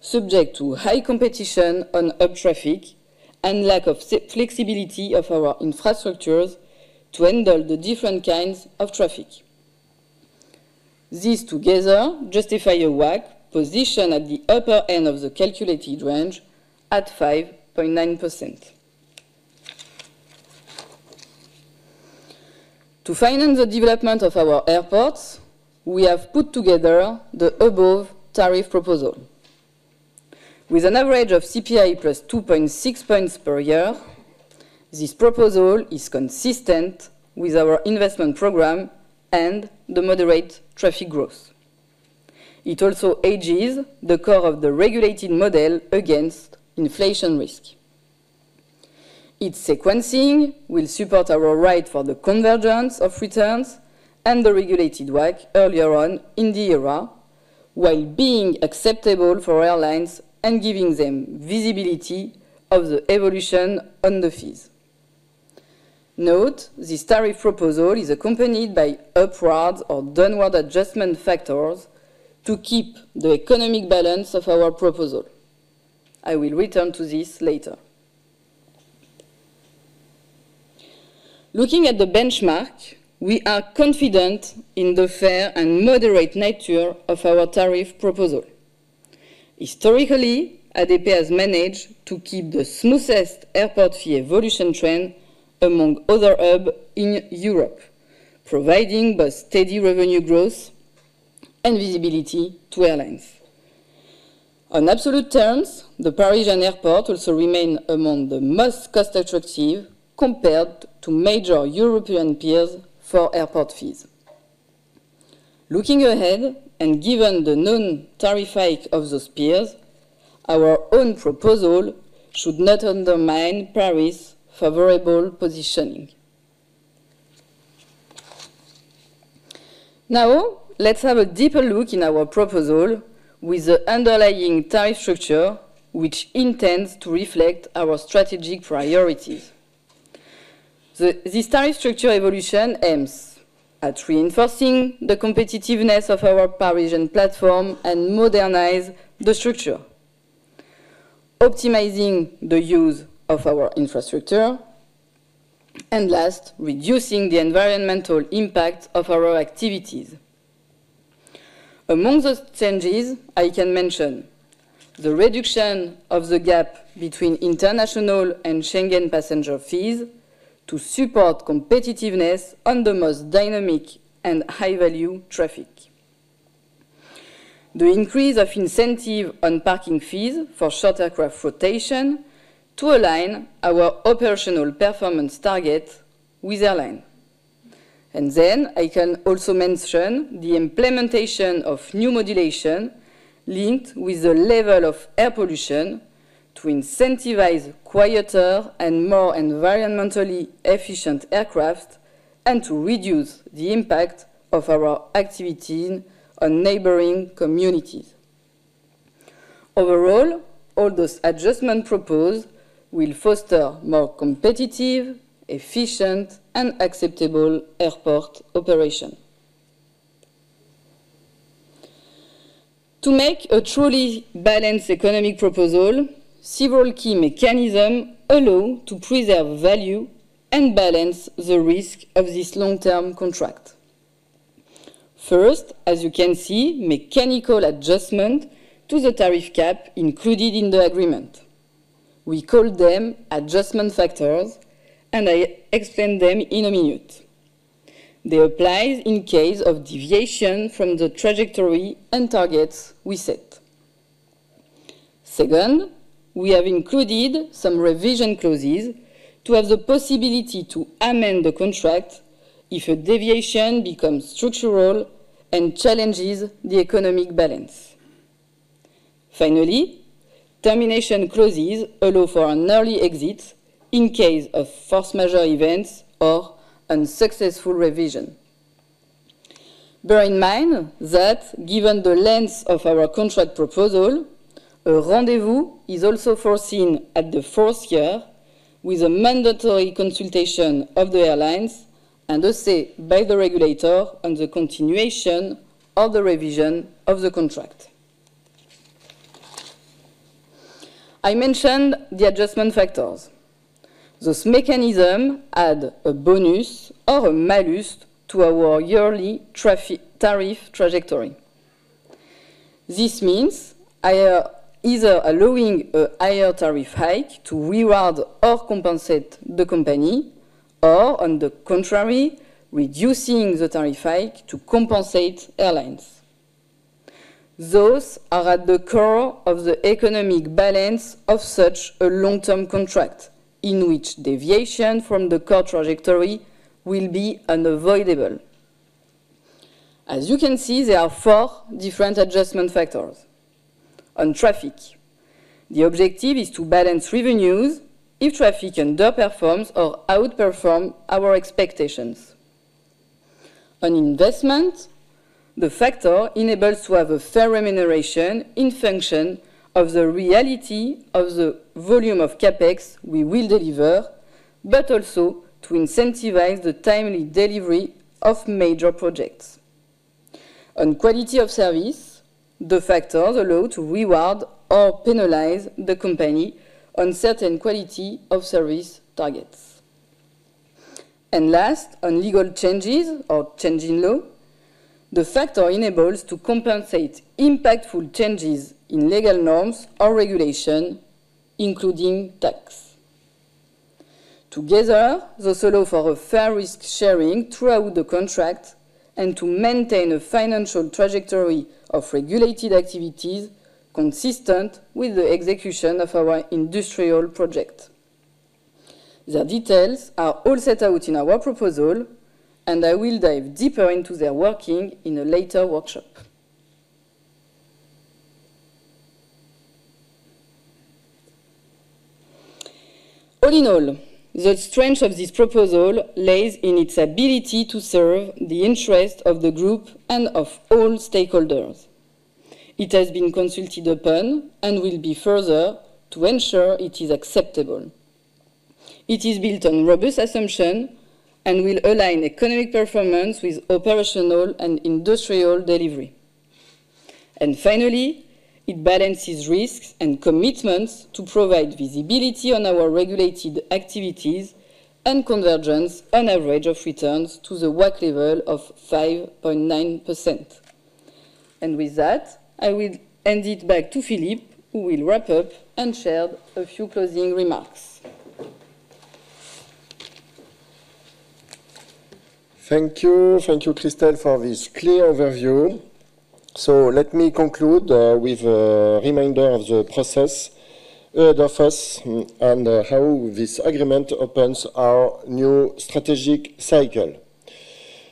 subject to high competition on hub traffic and lack of flexibility of our infrastructures to handle the different kinds of traffic. These together justify a WACC position at the upper end of the calculated range at 5.9%. To finance the development of our airports, we have put together the above tariff proposal. With an average of CPI +2.6 points per year, this proposal is consistent with our investment program and the moderate traffic growth. It also hedges the core of the regulated model against inflation risk. Its sequencing will support our right for the convergence of returns and the regulated WACC earlier on in the ERA, while being acceptable for airlines and giving them visibility of the evolution on the fees. Note, this tariff proposal is accompanied by upward or downward adjustment factors to keep the economic balance of our proposal. I will return to this later. Looking at the benchmark, we are confident in the fair and moderate nature of our tariff proposal. Historically, ADP has managed to keep the smoothest airport fee evolution trend among other hubs in Europe, providing both steady revenue growth and visibility to airlines. On absolute terms, the Parisian airport also remains among the most cost-attractive compared to major European peers for airport fees. Looking ahead and given the known tariff hike of those peers, our own proposal should not undermine Paris' favorable positioning. Now, let's have a deeper look in our proposal with the underlying tariff structure, which intends to reflect our strategic priorities. This tariff structure evolution aims at reinforcing the competitiveness of our Parisian platform and modernizing the structure, optimizing the use of our infrastructure, and last, reducing the environmental impact of our activities. Among those changes, I can mention the reduction of the gap between international and Schengen passenger fees to support competitiveness on the most dynamic and high-value traffic, the increase of incentives on parking fees for short aircraft rotation to align our operational performance targets with airlines. And then, I can also mention the implementation of new modulation linked with the level of air pollution to incentivize quieter and more environmentally efficient aircraft and to reduce the impact of our activities on neighboring communities. Overall, all those adjustments proposed will foster more competitive, efficient, and acceptable airport operations. To make a truly balanced economic proposal, several key mechanisms allow us to preserve value and balance the risk of this long-term contract. First, as you can see, mechanical adjustments to the tariff cap included in the agreement. We call them adjustment factors, and I explain them in a minute. They apply in case of deviation from the trajectory and targets we set. Second, we have included some revision clauses to have the possibility to amend the contract if a deviation becomes structural and challenges the economic balance. Finally, termination clauses allow for an early exit in case of force majeure events or unsuccessful revision. Bear in mind that, given the length of our contract proposal, a rendezvous is also foreseen at the fourth year with a mandatory consultation of the airlines and a say by the regulator on the continuation of the revision of the contract. I mentioned the adjustment factors. Those mechanisms add a bonus or a malus to our yearly tariff trajectory. This means either allowing a higher tariff hike to reward or compensate the company, or, on the contrary, reducing the tariff hike to compensate airlines. Those are at the core of the economic balance of such a long-term contract, in which deviation from the core trajectory will be unavoidable. As you can see, there are four different adjustment factors. On traffic, the objective is to balance revenues if traffic underperforms or outperforms our expectations. On investment, the factor enables us to have a fair remuneration in function of the reality of the volume of CAPEX we will deliver, but also to incentivize the timely delivery of major projects. On quality of service, the factors allow us to reward or penalize the company on certain quality of service targets. Last, on legal changes or change in law, the factor enables us to compensate impactful changes in legal norms or regulations, including tax. Together, those allow for a fair risk sharing throughout the contract and to maintain a financial trajectory of regulated activities consistent with the execution of our industrial project. The details are all set out in our proposal, and I will dive deeper into their working in a later workshop. All in all, the strength of this proposal lies in its ability to serve the interests of the group and of all stakeholders. It has been consulted upon and will be furthered to ensure it is acceptable. It is built on robust assumptions and will align economic performance with operational and industrial delivery. And finally, it balances risks and commitments to provide visibility on our regulated activities and convergence on average of returns to the WACC level of 5.9%. And with that, I will hand it back to Philippe, who will wrap up and share a few closing remarks. Thank you. Thank you, Christelle, for this clear overview. So let me conclude with a reminder of the process ahead of us and how this agreement opens our new strategic cycle.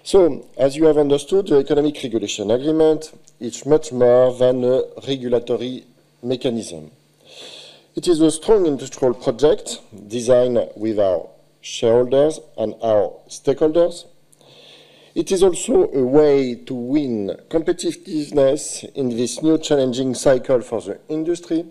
So, as you have understood, the Economic Regulation Agreement is much more than a regulatory mechanism. It is a strong industrial project designed with our shareholders and our stakeholders. It is also a way to win competitiveness in this new challenging cycle for the industry.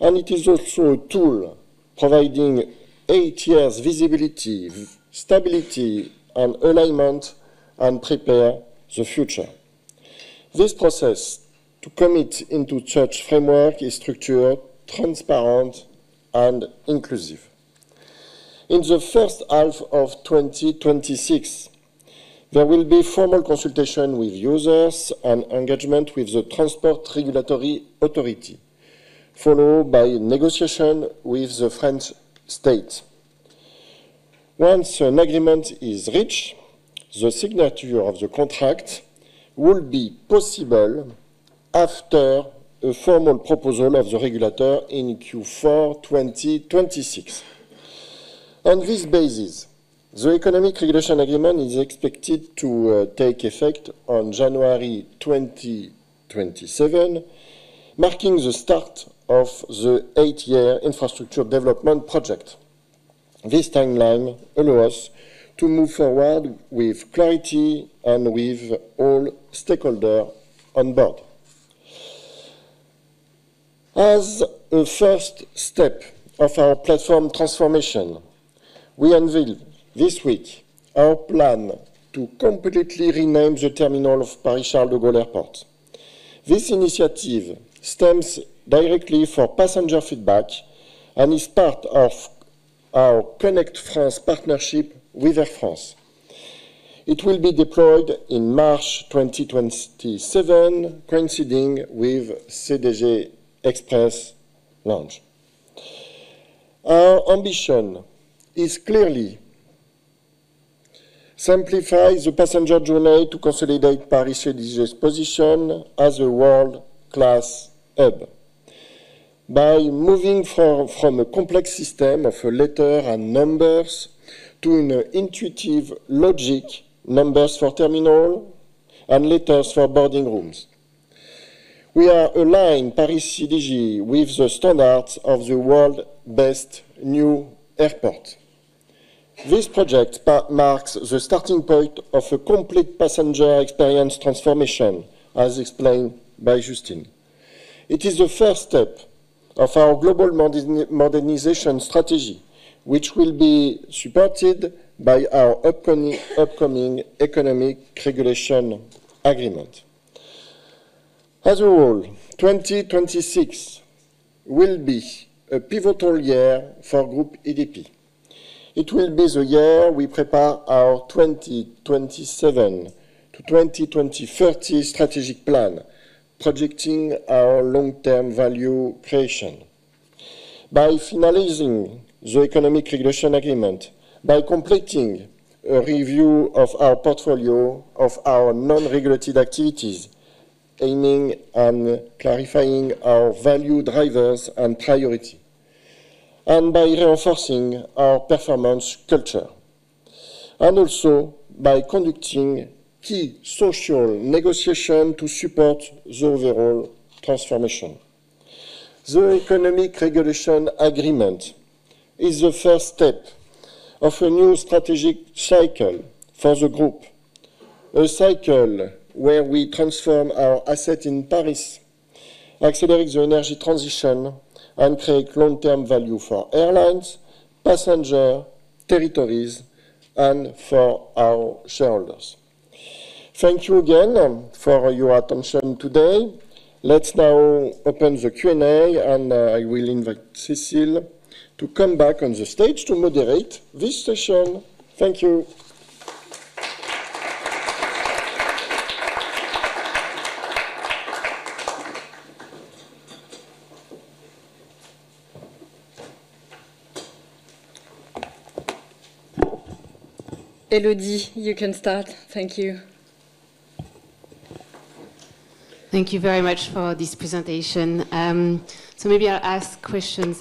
And it is also a tool providing eight years' visibility, stability, and alignment and prepare the future. This process to commit into such framework is structured, transparent, and inclusive. In the first half of 2026, there will be formal consultation with users and engagement with the Transport Regulatory Authority, followed by negotiation with the French State. Once an agreement is reached, the signature of the contract will be possible after a formal proposal of the regulator in Q4 2026. On this basis, the Economic Regulation Agreement is expected to take effect on January 2027, marking the start of the eight-year infrastructure development project. This timeline allows us to move forward with clarity and with all stakeholders on board. As a first step of our platform transformation, we unveiled this week our plan to completely rename the terminal of Paris-Charles de Gaulle Airport. This initiative stems directly from passenger feedback and is part of our Connect France partnership with Air France. It will be deployed in March 2027, coinciding with CDG Express launch. Our ambition is clearly to simplify the passenger journey to consolidate Paris-CDG's position as a world-class hub by moving from a complex system of letters and numbers to an intuitive logic: numbers for terminal and letters for boarding rooms. We are aligned Paris-CDG with the standards of the world's best new airport. This project marks the starting point of a complete passenger experience transformation, as explained by Justine. It is the first step of our global modernization strategy, which will be supported by our upcoming Economic Regulation Agreement. As a whole, 2026 will be a pivotal year for Groupe ADP. It will be the year we prepare our 2027-2030 strategic plan, projecting our long-term value creation. By finalizing the Economic Regulation Agreement, by completing a review of our portfolio of our non-regulated activities, aiming and clarifying our value drivers and priorities, and by reinforcing our performance culture, and also by conducting key social negotiations to support the overall transformation. The Economic Regulation Agreement is the first step of a new strategic cycle for the group, a cycle where we transform our assets in Paris, accelerate the energy transition, and create long-term value for airlines, passenger territories, and for our shareholders. Thank you again for your attention today. Let's now open the Q&A, and I will invite Cécile to come back on the stage to moderate this session. Thank you. Élodie, you can start. Thank you. Thank you very much for this presentation. So maybe I'll ask questions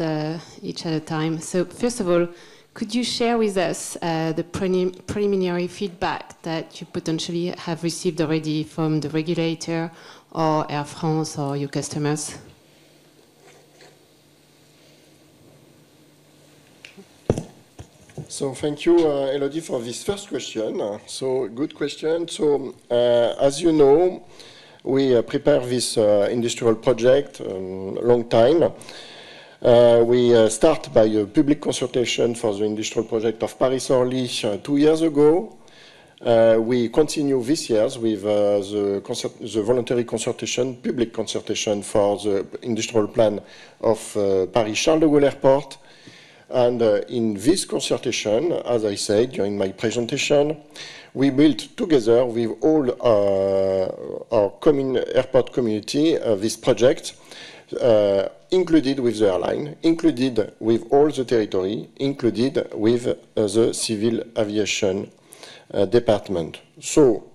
each at a time. So first of all, could you share with us the preliminary feedback that you potentially have received already from the regulator or Air France or your customers? So thank you, Élodie, for this first question. So good question. So as you know, we prepared this industrial project a long time. We started by a public consultation for the industrial project of Paris-Charles two years ago. We continue this year with the voluntary consultation, public consultation for the industrial plan of Paris-Charles de Gaulle Airport. And in this consultation, as I said during my presentation, we built together with all our airport community this project, included with the airline, included with all the territory, included with the civil aviation department. So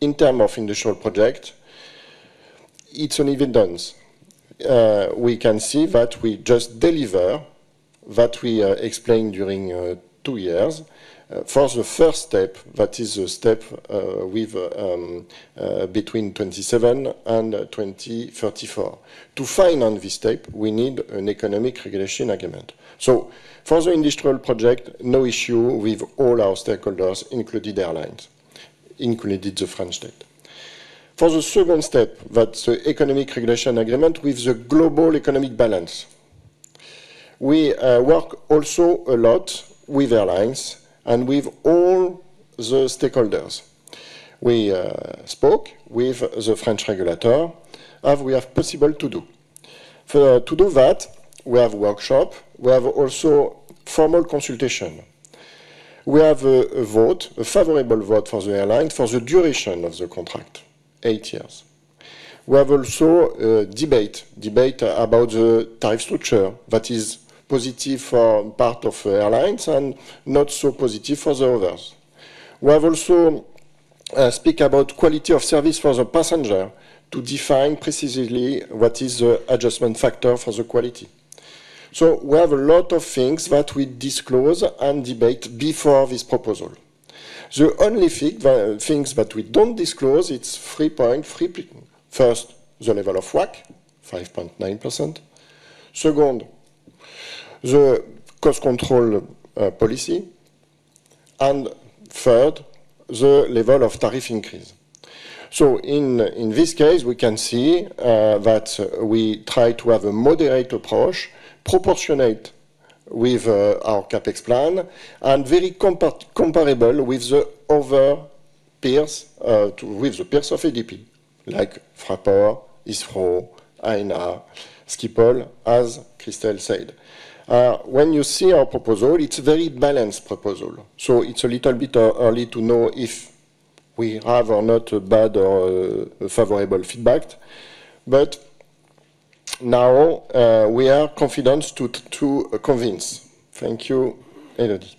in terms of industrial project, it's evident. We can see that we just deliver what we explained during two years for the first step, that is the step between 2027 and 2034. To finance this step, we need an Economic Regulation Agreement. So for the industrial project, no issue with all our stakeholders, including airlines, including the French State. For the second step, that's the Economic Regulation Agreement with the global economic balance. We work also a lot with airlines and with all the stakeholders. We spoke with the French regulator of what we are possible to do. To do that, we have a workshop. We have also formal consultation. We have a vote, a favorable vote for the airlines for the duration of the contract, eight years. We have also a debate about the tariff structure that is positive for part of airlines and not so positive for the others. We have also spoken about quality of service for the passenger to define precisely what is the adjustment factor for the quality. So we have a lot of things that we disclose and debate before this proposal. The only things that we don't disclose are three points. First, the level of WACC, 5.9%. Second, the cost control policy. And third, the level of tariff increase. So in this case, we can see that we try to have a moderate approach, proportionate with our CAPEX plan, and very comparable with the other peers of ADP, like Fraport, Heathrow, AENA, Schiphol, as Christelle said. When you see our proposal, it's a very balanced proposal. So it's a little bit early to know if we have or not a bad or a favorable feedback. But now we are confident to convince. Thank you, Élodie.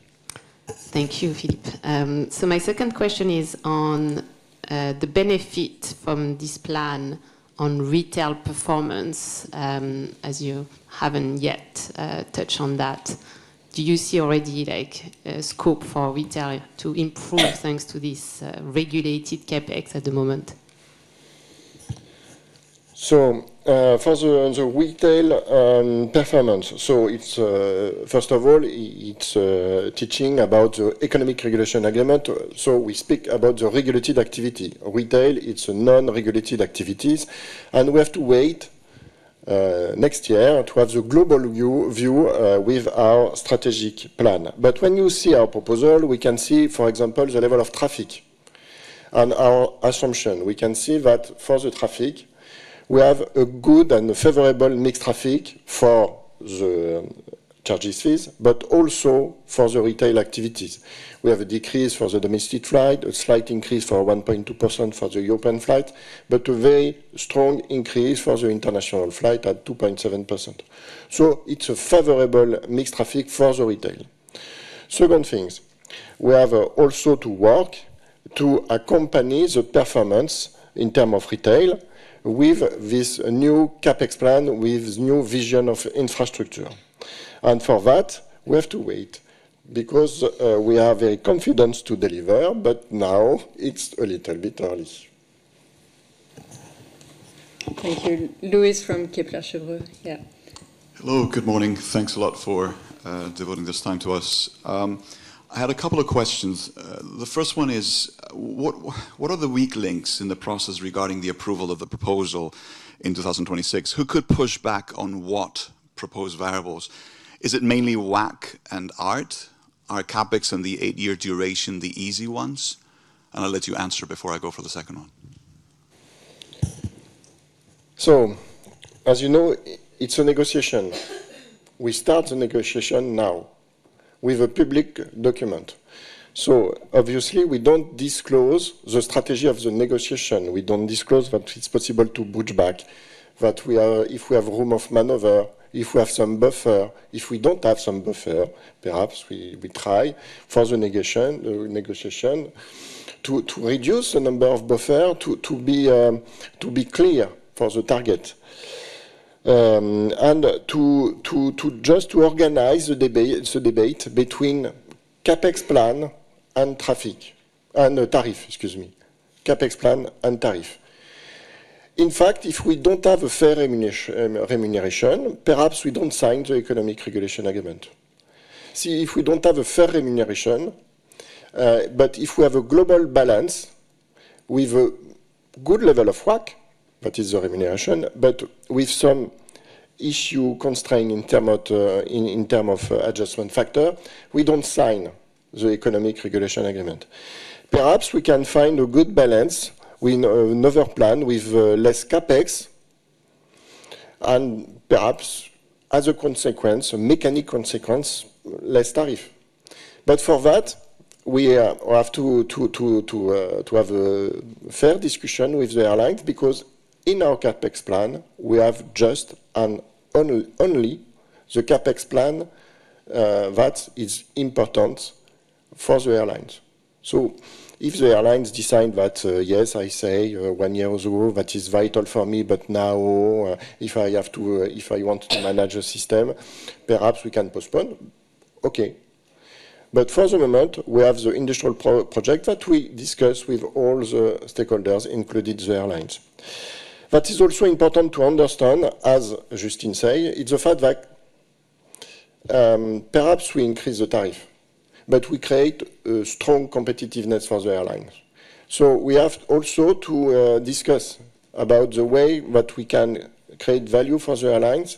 Thank you, Philippe. So my second question is on the benefit from this plan on retail performance, as you haven't yet touched on that. Do you see already a scope for retail to improve thanks to this regulated CAPEX at the moment? So for the retail performance, so first of all, it's the thing about the Economic Regulation Agreement. So we speak about the regulated activity. Retail, it's non-regulated activities. And we have to wait next year to have the global view with our strategic plan. But when you see our proposal, we can see, for example, the level of traffic and our assumption. We can see that for the traffic, we have a good and favorable mixed traffic for the charges fees, but also for the retail activities. We have a decrease for the domestic flight, a slight increase of 1.2% for the European flight, but a very strong increase for the international flight at 2.7%. So it's a favorable mixed traffic for the retail. Second thing, we have also to work to accompany the performance in terms of retail with this new CAPEX plan, with this new vision of infrastructure. And for that, we have to wait because we are very confident to deliver, but now it's a little bit early. Thank you. Luis from Kepler Cheuvreux. Hello. Good morning. Thanks a lot for devoting this time to us. I had a couple of questions. The first one is, what are the weak links in the process regarding the approval of the proposal in 2026? Who could push back on what proposed variables? Is it mainly WACC and ART? Our CAPEX and the eight-year duration, the easy ones? And I'll let you answer before I go for the second one. So as you know, it's a negotiation. We start the negotiation now with a public document. So obviously, we don't disclose the strategy of the negotiation. We don't disclose that it's possible to push back, that if we have room of maneuver, if we have some buffer. If we don't have some buffer, perhaps we try for the negotiation to reduce the number of buffer, to be clear for the target, and just to organize the debate between CAPEX plan and traffic and tariff, excuse me, CAPEX plan and tariff. In fact, if we don't have a fair remuneration, perhaps we don't sign the Economic Regulation Agreement. See, if we don't have a fair remuneration, but if we have a global balance with a good level of WACC, that is the remuneration, but with some issue constraint in terms of adjustment factor, we don't sign the Economic Regulation Agreement. Perhaps we can find a good balance with another plan with less CAPEX and perhaps, as a consequence, a mechanical consequence, less tariff. But for that, we have to have a fair discussion with the airlines because in our CAPEX plan, we have just and only the CAPEX plan that is important for the airlines. So if the airlines decide that, yes, I say one year ago, that is vital for me, but now if I want to manage a system, perhaps we can postpone. Okay. But for the moment, we have the industrial project that we discuss with all the stakeholders, including the airlines. That is also important to understand, as Justine said, it's the fact that perhaps we increase the tariff, but we create a strong competitiveness for the airlines. So we have also to discuss about the way that we can create value for the airlines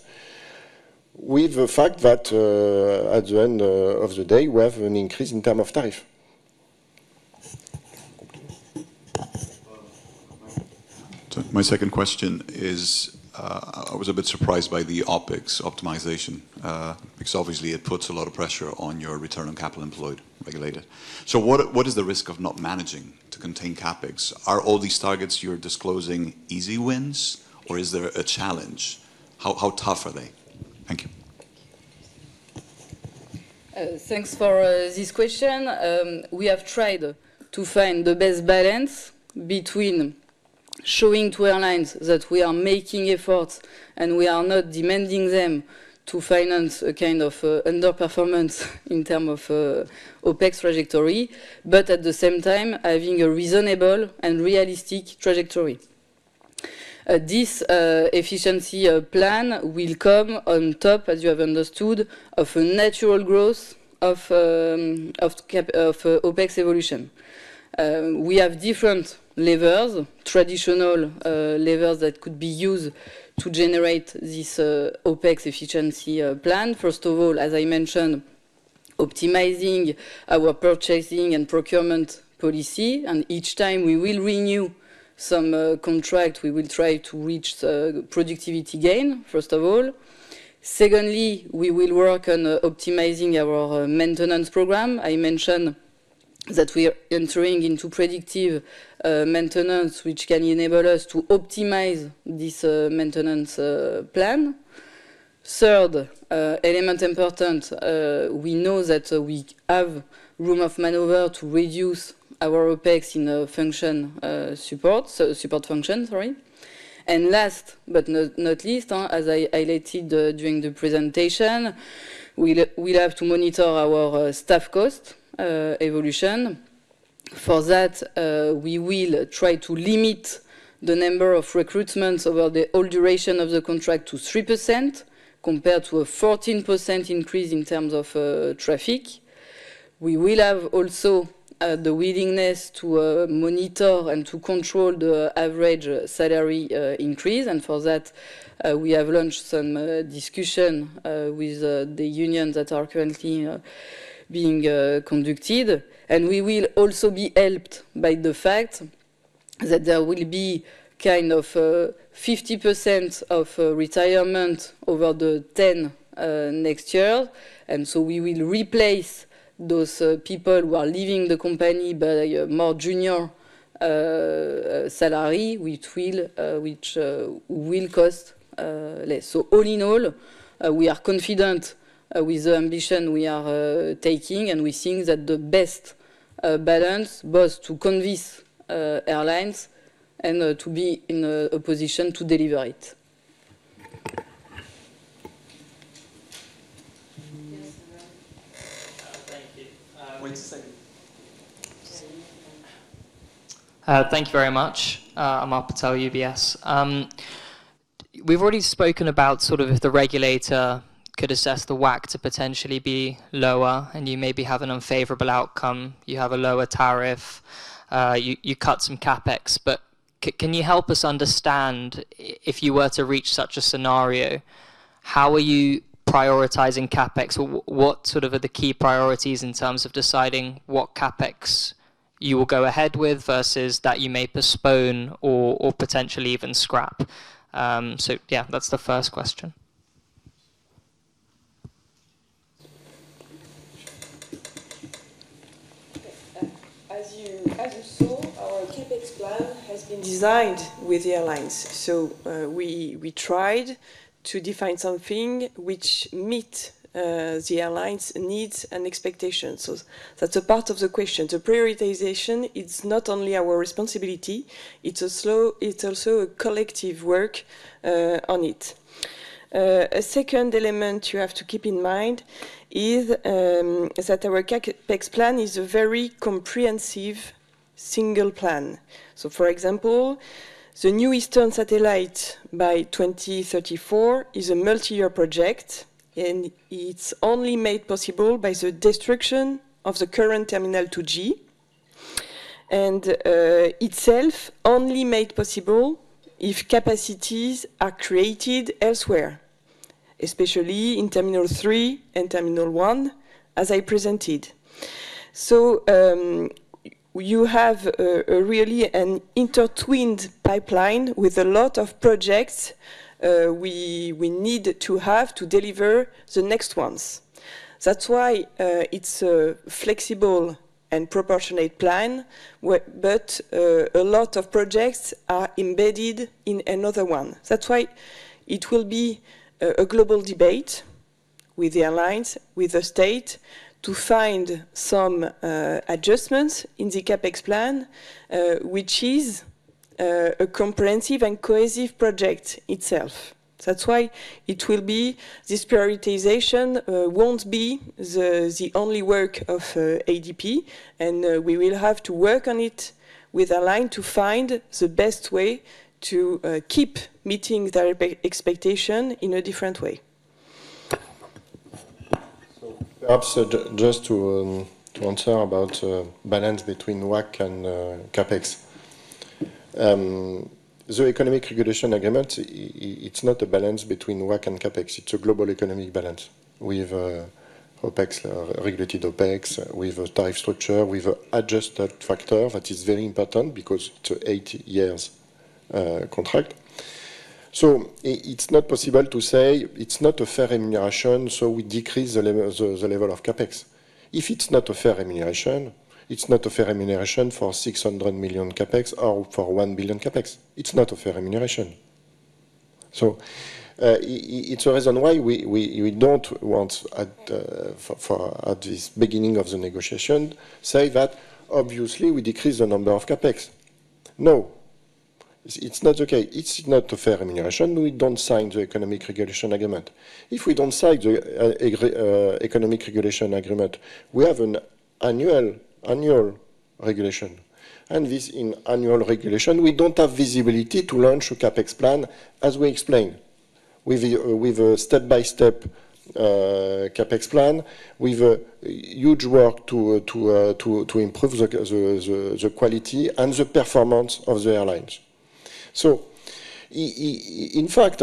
with the fact that at the end of the day, we have an increase in terms of tariff. My second question is, I was a bit surprised by the OPEX optimization because obviously, it puts a lot of pressure on your return on capital employed regulated. So what is the risk of not managing to contain CAPEX? Are all these targets you're disclosing easy wins, or is there a challenge? How tough are they? Thank you. Thanks for this question. We have tried to find the best balance between showing to airlines that we are making efforts and we are not demanding them to finance a kind of underperformance in terms of OPEX trajectory, but at the same time, having a reasonable and realistic trajectory. This efficiency plan will come on top, as you have understood, of a natural growth of OPEX evolution. We have different levers, traditional levers that could be used to generate this OPEX efficiency plan. First of all, as I mentioned, optimizing our purchasing and procurement policy. Each time we will renew some contract, we will try to reach productivity gain, first of all. Secondly, we will work on optimizing our maintenance program. I mentioned that we are entering into predictive maintenance, which can enable us to optimize this maintenance plan. Third element, important, we know that we have room of maneuver to reduce our OPEX in the function support function, sorry. Last but not least, as I highlighted during the presentation, we will have to monitor our staff cost evolution. For that, we will try to limit the number of recruitments over the whole duration of the contract to 3% compared to a 14% increase in terms of traffic. We will also have the willingness to monitor and to control the average salary increase. For that, we have launched some discussion with the unions that are currently being conducted. We will also be helped by the fact that there will be kind of 50% of retirement over the 10 next years. So we will replace those people who are leaving the company by a more junior salary, which will cost less. So all in all, we are confident with the ambition we are taking, and we think that the best balance was to convince airlines and to be in a position to deliver it. Thank you very much. I'm Arpitel, UBS. We've already spoken about sort of if the regulator could assess the WACC to potentially be lower and you maybe have an unfavorable outcome. You have a lower tariff. You cut some CAPEX. But can you help us understand if you were to reach such a scenario, how are you prioritizing CAPEX? What sort of are the key priorities in terms of deciding what CAPEX you will go ahead with versus that you may postpone or potentially even scrap? So yeah, that's the first question. As you saw, our CAPEX plan has been designed with airlines. So we tried to define something which meets the airlines' needs and expectations. So that's a part of the question. The prioritization, it's not only our responsibility. It's also a collective work on it. A second element you have to keep in mind is that our CAPEX plan is a very comprehensive single plan. So for example, the new Eastern satellite by 2034 is a multi-year project, and it's only made possible by the destruction of the current Terminal 2G. And itself only made possible if capacities are created elsewhere, especially in Terminal 3 and Terminal 1, as I presented. So you have really an intertwined pipeline with a lot of projects we need to have to deliver the next ones. That's why it's a flexible and proportionate plan, but a lot of projects are embedded in another one. That's why it will be a global debate with the airlines, with the state to find some adjustments in the CAPEX plan, which is a comprehensive and cohesive project itself. That's why it will be this prioritization won't be the only work of ADP, and we will have to work on it with airlines to find the best way to keep meeting their expectations in a different way. Perhaps just to answer about the balance between WACC and CAPEX. The Economic Regulation Agreement, it's not a balance between WACC and CAPEX. It's a global economic balance with regulated OPEX, with a tariff structure, with an adjusted factor that is very important because it's an eight-year contract. So it's not possible to say it's not a fair remuneration, so we decrease the level of CAPEX. If it's not a fair remuneration, it's not a fair remuneration for 600 million CAPEX or for 1 billion CAPEX. It's not a fair remuneration. So it's a reason why we don't want, at this beginning of the negotiation, to say that obviously we decrease the number of CAPEX. No. It's not okay. It's not a fair remuneration. We don't sign the Economic Regulation Agreement. If we don't sign the Economic Regulation Agreement, we have an annual regulation. And in annual regulation, we don't have visibility to launch a CAPEX plan, as we explained, with a step-by-step CAPEX plan, with huge work to improve the quality and the performance of the airlines. So in fact,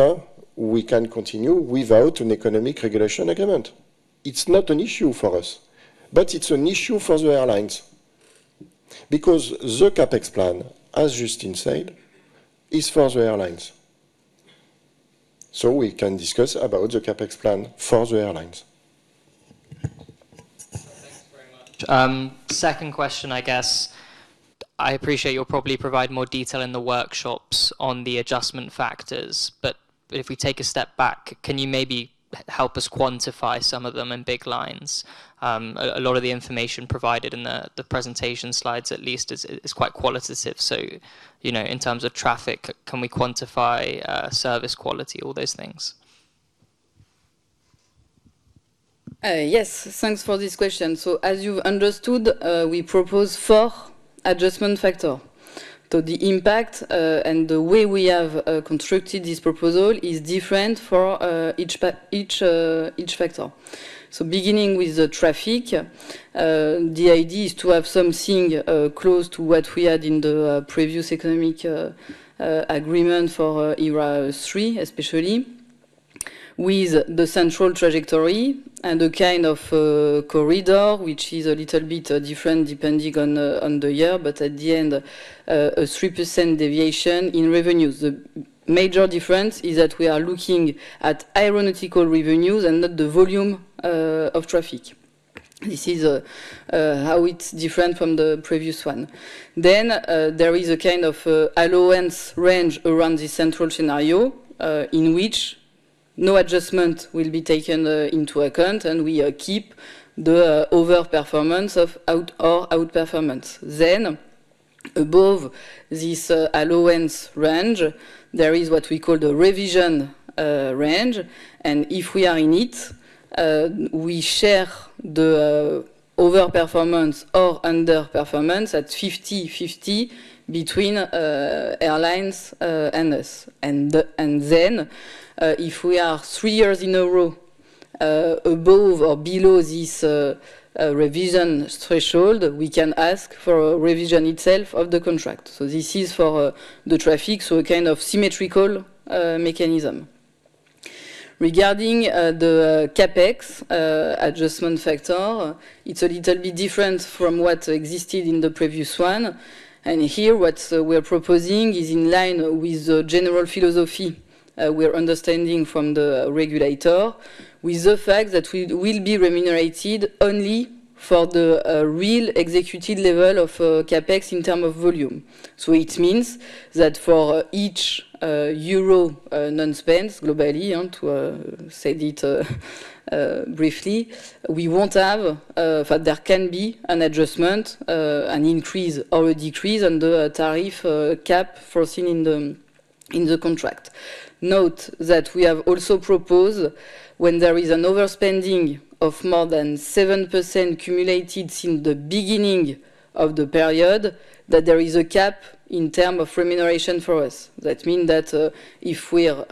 we can continue without an Economic Regulation Agreement. It's not an issue for us, but it's an issue for the airlines because the CAPEX plan, as Justine said, is for the airlines. So we can discuss about the CAPEX plan for the airlines. Second question, I guess. I appreciate you'll probably provide more detail in the workshops on the adjustment factors, but if we take a step back, can you maybe help us quantify some of them in big lines? A lot of the information provided in the presentation slides, at least, is quite qualitative. So in terms of traffic, can we quantify service quality, all those things? Yes. Thanks for this question. So as you've understood, we propose four adjustment factors. So the impact and the way we have constructed this proposal is different for each factor. Beginning with the traffic, the idea is to have something close to what we had in the previous Economic Agreement for ERA 3, especially with the central trajectory and a kind of corridor, which is a little bit different depending on the year, but at the end, a 3% deviation in revenues. The major difference is that we are looking at aeronautical revenues and not the volume of traffic. This is how it's different from the previous one. There is a kind of allowance range around the central scenario in which no adjustment will be taken into account, and we keep the overperformance or outperformance. Above this allowance range, there is what we call the revision range. If we are in it, we share the overperformance or underperformance 50/50 between airlines and us. If we are three years in a row above or below this revision threshold, we can ask for a revision itself of the contract. This is for the traffic, so a kind of symmetrical mechanism. Regarding the CAPEX adjustment factor, it's a little bit different from what existed in the previous one. Here, what we're proposing is in line with the general philosophy we're understanding from the regulator, with the fact that we will be remunerated only for the real executed level of CAPEX in terms of volume. It means that for each euro non-spent globally, to say it briefly, we won't have, in fact, there can be an adjustment, an increase or a decrease on the tariff cap foreseen in the contract. Note that we have also proposed when there is an overspending of more than 7% cumulated since the beginning of the period, that there is a cap in terms of remuneration for us. That means that if we're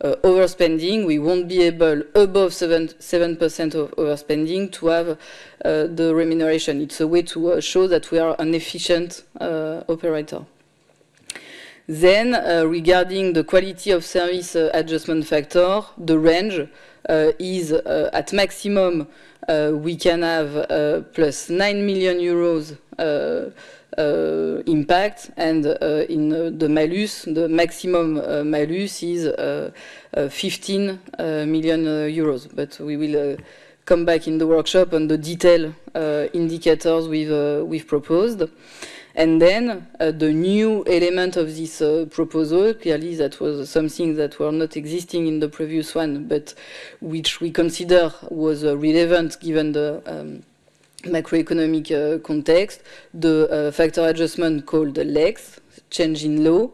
overspending, we won't be able, above 7% overspending, to have the remuneration. It's a way to show that we are an efficient operator. Then regarding the quality of service adjustment factor, the range is at maximum we can have +9 million euros impact. And in the malus, the maximum malus is 15 million euros. But we will come back in the workshop on the detailed indicators we've proposed. And then the new element of this proposal, clearly, that was something that was not existing in the previous one, but which we consider was relevant given the macroeconomic context, the factor adjustment called LEX, change in law,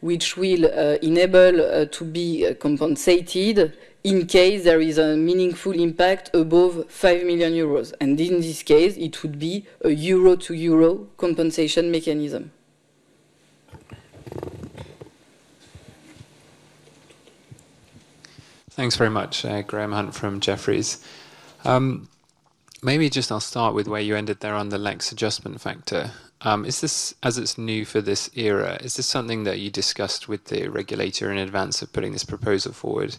which will enable to be compensated in case there is a meaningful impact above 5 million euros. And in this case, it would be a euro-to-euro compensation mechanism. Thanks very much, Graham Hunt from Jefferies. Maybe just I'll start with where you ended there on the LEX adjustment factor. As it's new for this era, is this something that you discussed with the regulator in advance of putting this proposal forward?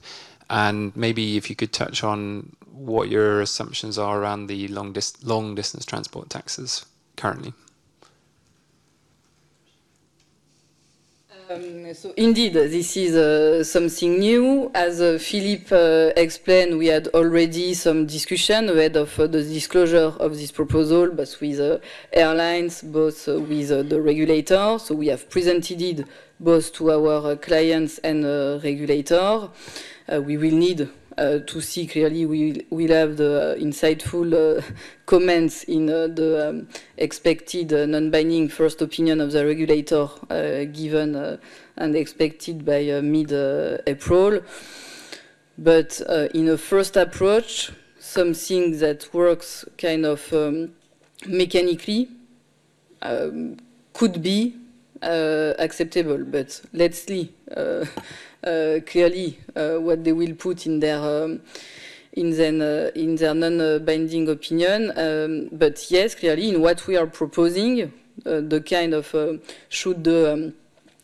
And maybe if you could touch on what your assumptions are around the long-distance transport taxes currently. So indeed, this is something new. As Philippe explained, we had already some discussion ahead of the disclosure of this proposal, both with airlines, both with the regulator. So we have presented it both to our clients and regulator. We will need to see clearly. We'll have the insightful comments in the expected non-binding first opinion of the regulator given and expected by mid-April. But in a first approach, something that works kind of mechanically could be acceptable. But let's see clearly what they will put in their non-binding opinion. But yes, clearly, in what we are proposing, the kind of should the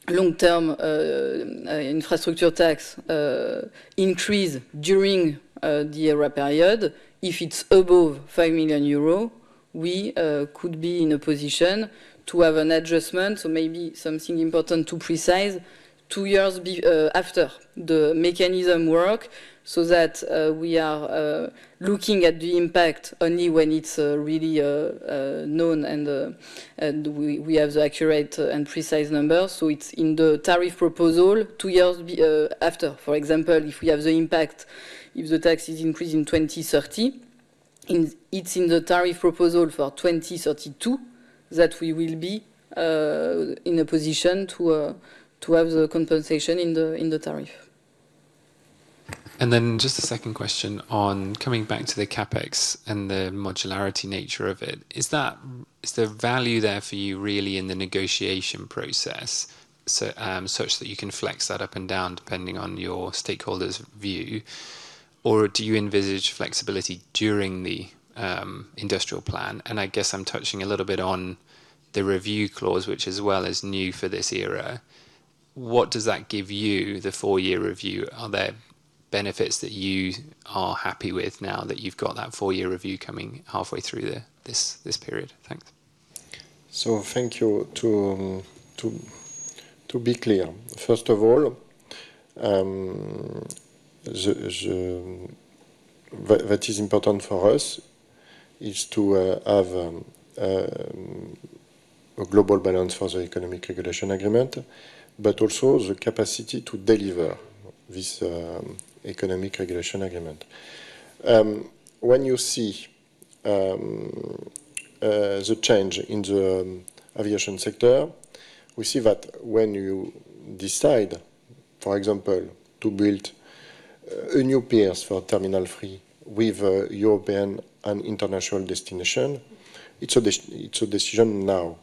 long-term infrastructure capex increase during the ERA period, if it's above 5 million euros, we could be in a position to have an adjustment. So maybe something important to precise two years after the mechanism works so that we are looking at the impact only when it's really known and we have the accurate and precise numbers. So it's in the tariff proposal two years after. For example, if we have the impact, if the tax is increased in 2030, it's in the tariff proposal for 2032 that we will be in a position to have the compensation in the tariff. And then just a second question on coming back to the CAPEX and the modularity nature of it. Is there value there for you really in the negotiation process such that you can flex that up and down depending on your stakeholders' view? Or do you envisage flexibility during the industrial plan? And I guess I'm touching a little bit on the review clause, which as well is new for this era. What does that give you, the four-year review? Are there benefits that you are happy with now that you've got that four-year review coming halfway through this period? Thanks. So thank you. To be clear, first of all, what is important for us is to have a global balance for the Economic Regulation Agreement, but also the capacity to deliver this Economic Regulation Agreement. When you see the change in the aviation sector, we see that when you decide, for example, to build a new pier for Terminal 3 with a European and international destination, it's a decision now.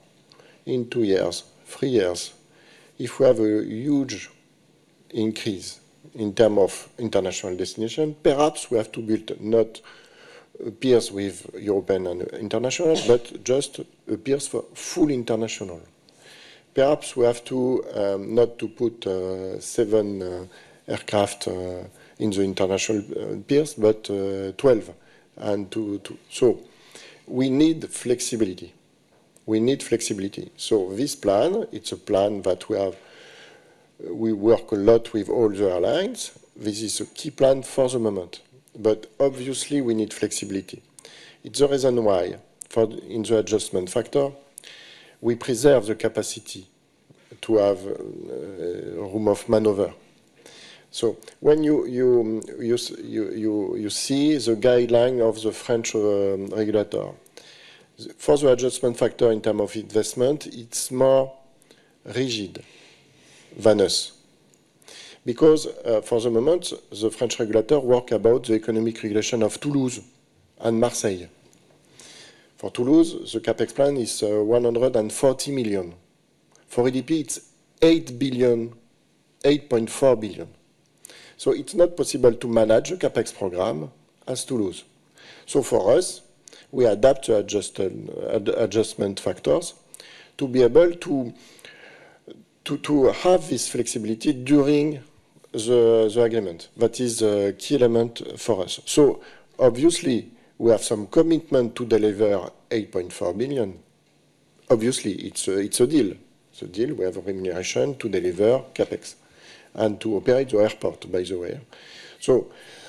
In two years, three years, if we have a huge increase in terms of international destination, perhaps we have to build not piers with European and international, but just piers for full international. Perhaps we have to not put seven aircraft in the international piers, but 12. We need flexibility. We need flexibility. This plan, it's a plan that we work a lot with all the airlines. This is a key plan for the moment. Obviously, we need flexibility. It's the reason why in the adjustment factor, we preserve the capacity to have room of maneuver. When you see the guideline of the French regulator for the adjustment factor in terms of investment, it's more rigid than us. Because for the moment, the French regulator works about the Economic Regulation of Toulouse and Marseille. For Toulouse, the CAPEX plan is 140 million. For ADP, it's 8.4 billion. It's not possible to manage a CAPEX program as Toulouse. For us, we adapt to adjustment factors to be able to have this flexibility during the agreement. That is a key element for us. So obviously, we have some commitment to deliver 8.4 billion. Obviously, it's a deal. It's a deal. We have a remuneration to deliver CAPEX and to operate the airport, by the way.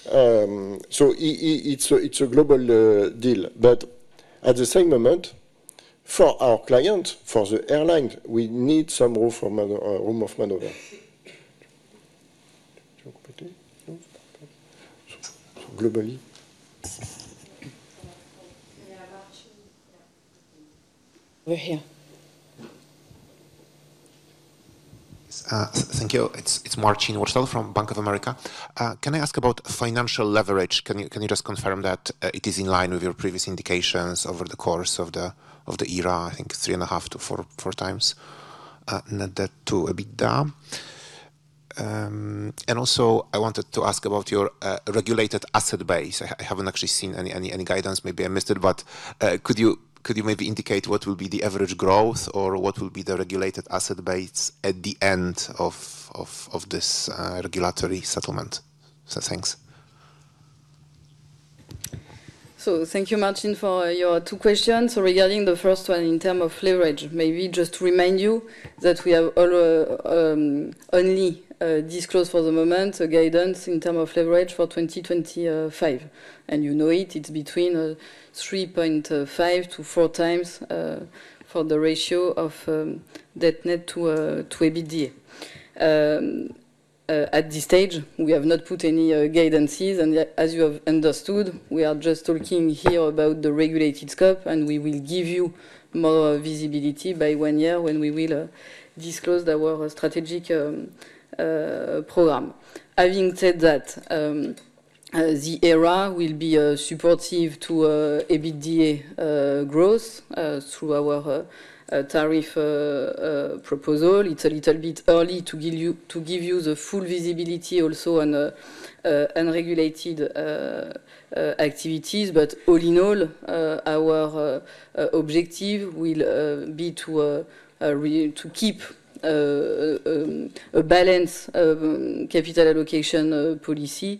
So it's a global deal. But at the same moment, for our client, for the airline, we need some room of maneuver. Thank you. It's Marcin Wojtal from Bank of America. Can I ask about financial leverage? Can you just confirm that it is in line with your previous indications over the course of the ERA, I think 3.5-4x? Not that too a bit down. And also, I wanted to ask about your regulated asset base. I haven't actually seen any guidance. Maybe I missed it. But could you maybe indicate what will be the average growth or what will be the regulated asset base at the end of this regulatory settlement? Thanks. Thank you, Marcin, for your two questions. Regarding the first one in terms of leverage, maybe just to remind you that we have only disclosed for the moment a guidance in terms of leverage for 2025. You know it. It's between 3.5x-4x for the ratio of net debt-to-EBITDA. At this stage, we have not put any guidances. As you have understood, we are just talking here about the regulated scope, and we will give you more visibility by one year when we will disclose our strategic program. Having said that, the ERA will be supportive to EBITDA growth through our tariff proposal. It's a little bit early to give you the full visibility also on unregulated activities. All in all, our objective will be to keep a balanced capital allocation policy.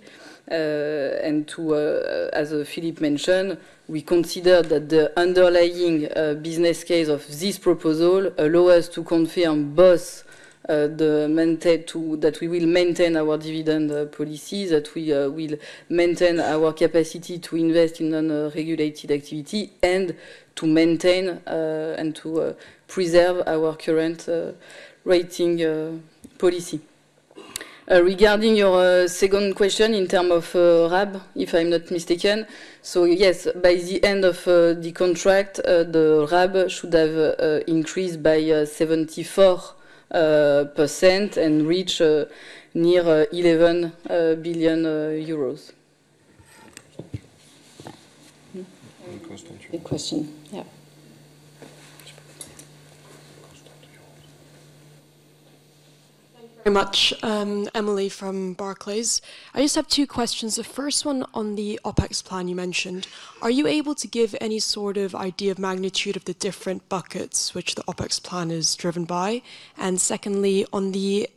As Philippe mentioned, we consider that the underlying business case of this proposal allows us to confirm both that we will maintain our dividend policy, that we will maintain our capacity to invest in non-regulated activity, and to maintain and to preserve our current rating policy. Regarding your second question in terms of RAB, if I'm not mistaken, so yes, by the end of the contract, the RAB should have increased by 74% and reached near EUR 11 billion. Question? Yeah. Thank you very much, Emily from Barclays. I just have two questions. The first one on the OPEX plan you mentioned, are you able to give any sort of idea of magnitude of the different buckets which the OPEX plan is driven by? And secondly,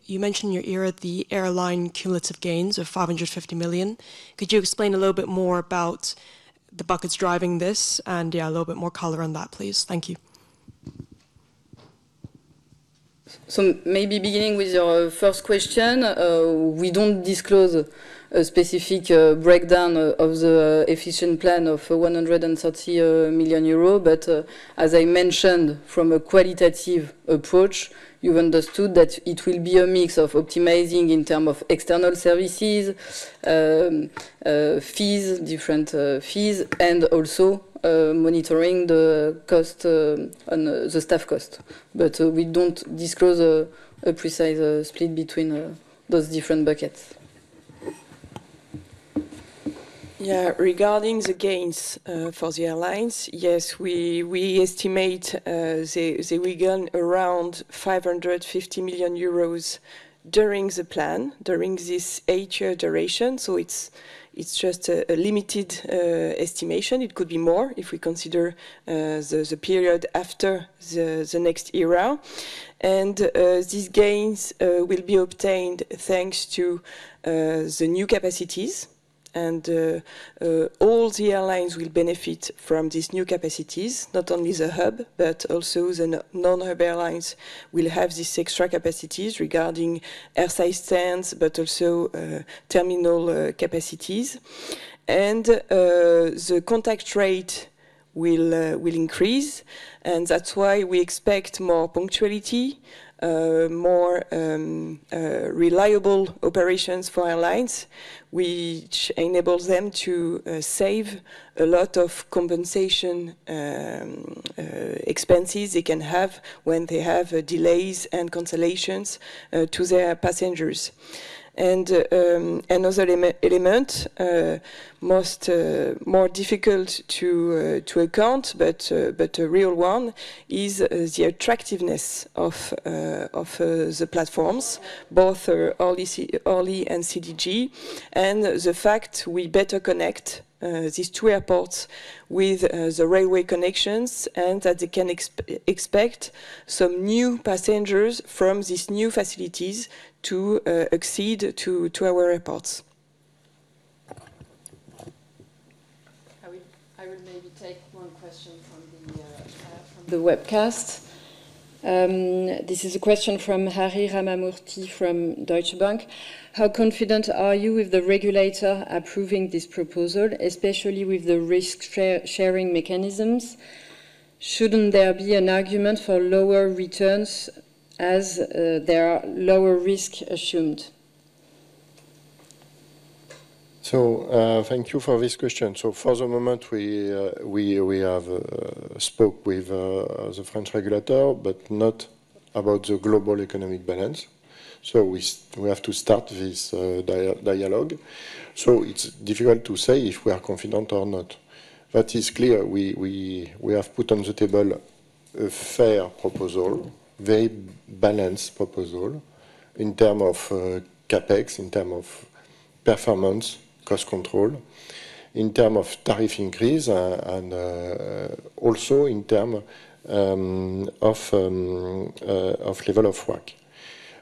you mentioned in your ERA the airline cumulative gains of 550 million. Could you explain a little bit more about the buckets driving this? And yeah, a little bit more color on that, please. Thank you. So maybe beginning with your first question, we don't disclose a specific breakdown of the efficiency plan of EUR 130 million. But as I mentioned, from a qualitative approach, you've understood that it will be a mix of optimizing in terms of external services, fees, different fees, and also monitoring the staff cost. But we don't disclose a precise split between those different buckets. Yeah. Regarding the gains for the airlines, yes, we estimate they will gain around 550 million euros during the plan, during this eight-year duration. So it's just a limited estimation. It could be more if we consider the period after the next era. And these gains will be obtained thanks to the new capacities. All the airlines will benefit from these new capacities, not only the hub, but also the non-hub airlines will have these extra capacities regarding airside stands, but also terminal capacities. The contact rate will increase. That's why we expect more punctuality, more reliable operations for airlines, which enables them to save a lot of compensation expenses they can have when they have delays and cancellations to their passengers. Another element, even more difficult to account, but a real one, is the attractiveness of the platforms, both Orly and CDG, and the fact we better connect these two airports with the railway connections and that they can expect some new passengers from these new facilities to access our airports. I will maybe take one question from the webcast. This is a question from Hari Ramamoorthy from Deutsche Bank. How confident are you with the regulator approving this proposal, especially with the risk-sharing mechanisms? Shouldn't there be an argument for lower returns as there are lower risk assumed? Thank you for this question. For the moment, we have spoke with the French regulator, but not about the global economic balance. We have to start this dialogue. It's difficult to say if we are confident or not. But it's clear we have put on the table a fair proposal, very balanced proposal in terms of CAPEX, in terms of performance, cost control, in terms of tariff increase, and also in terms of level of work.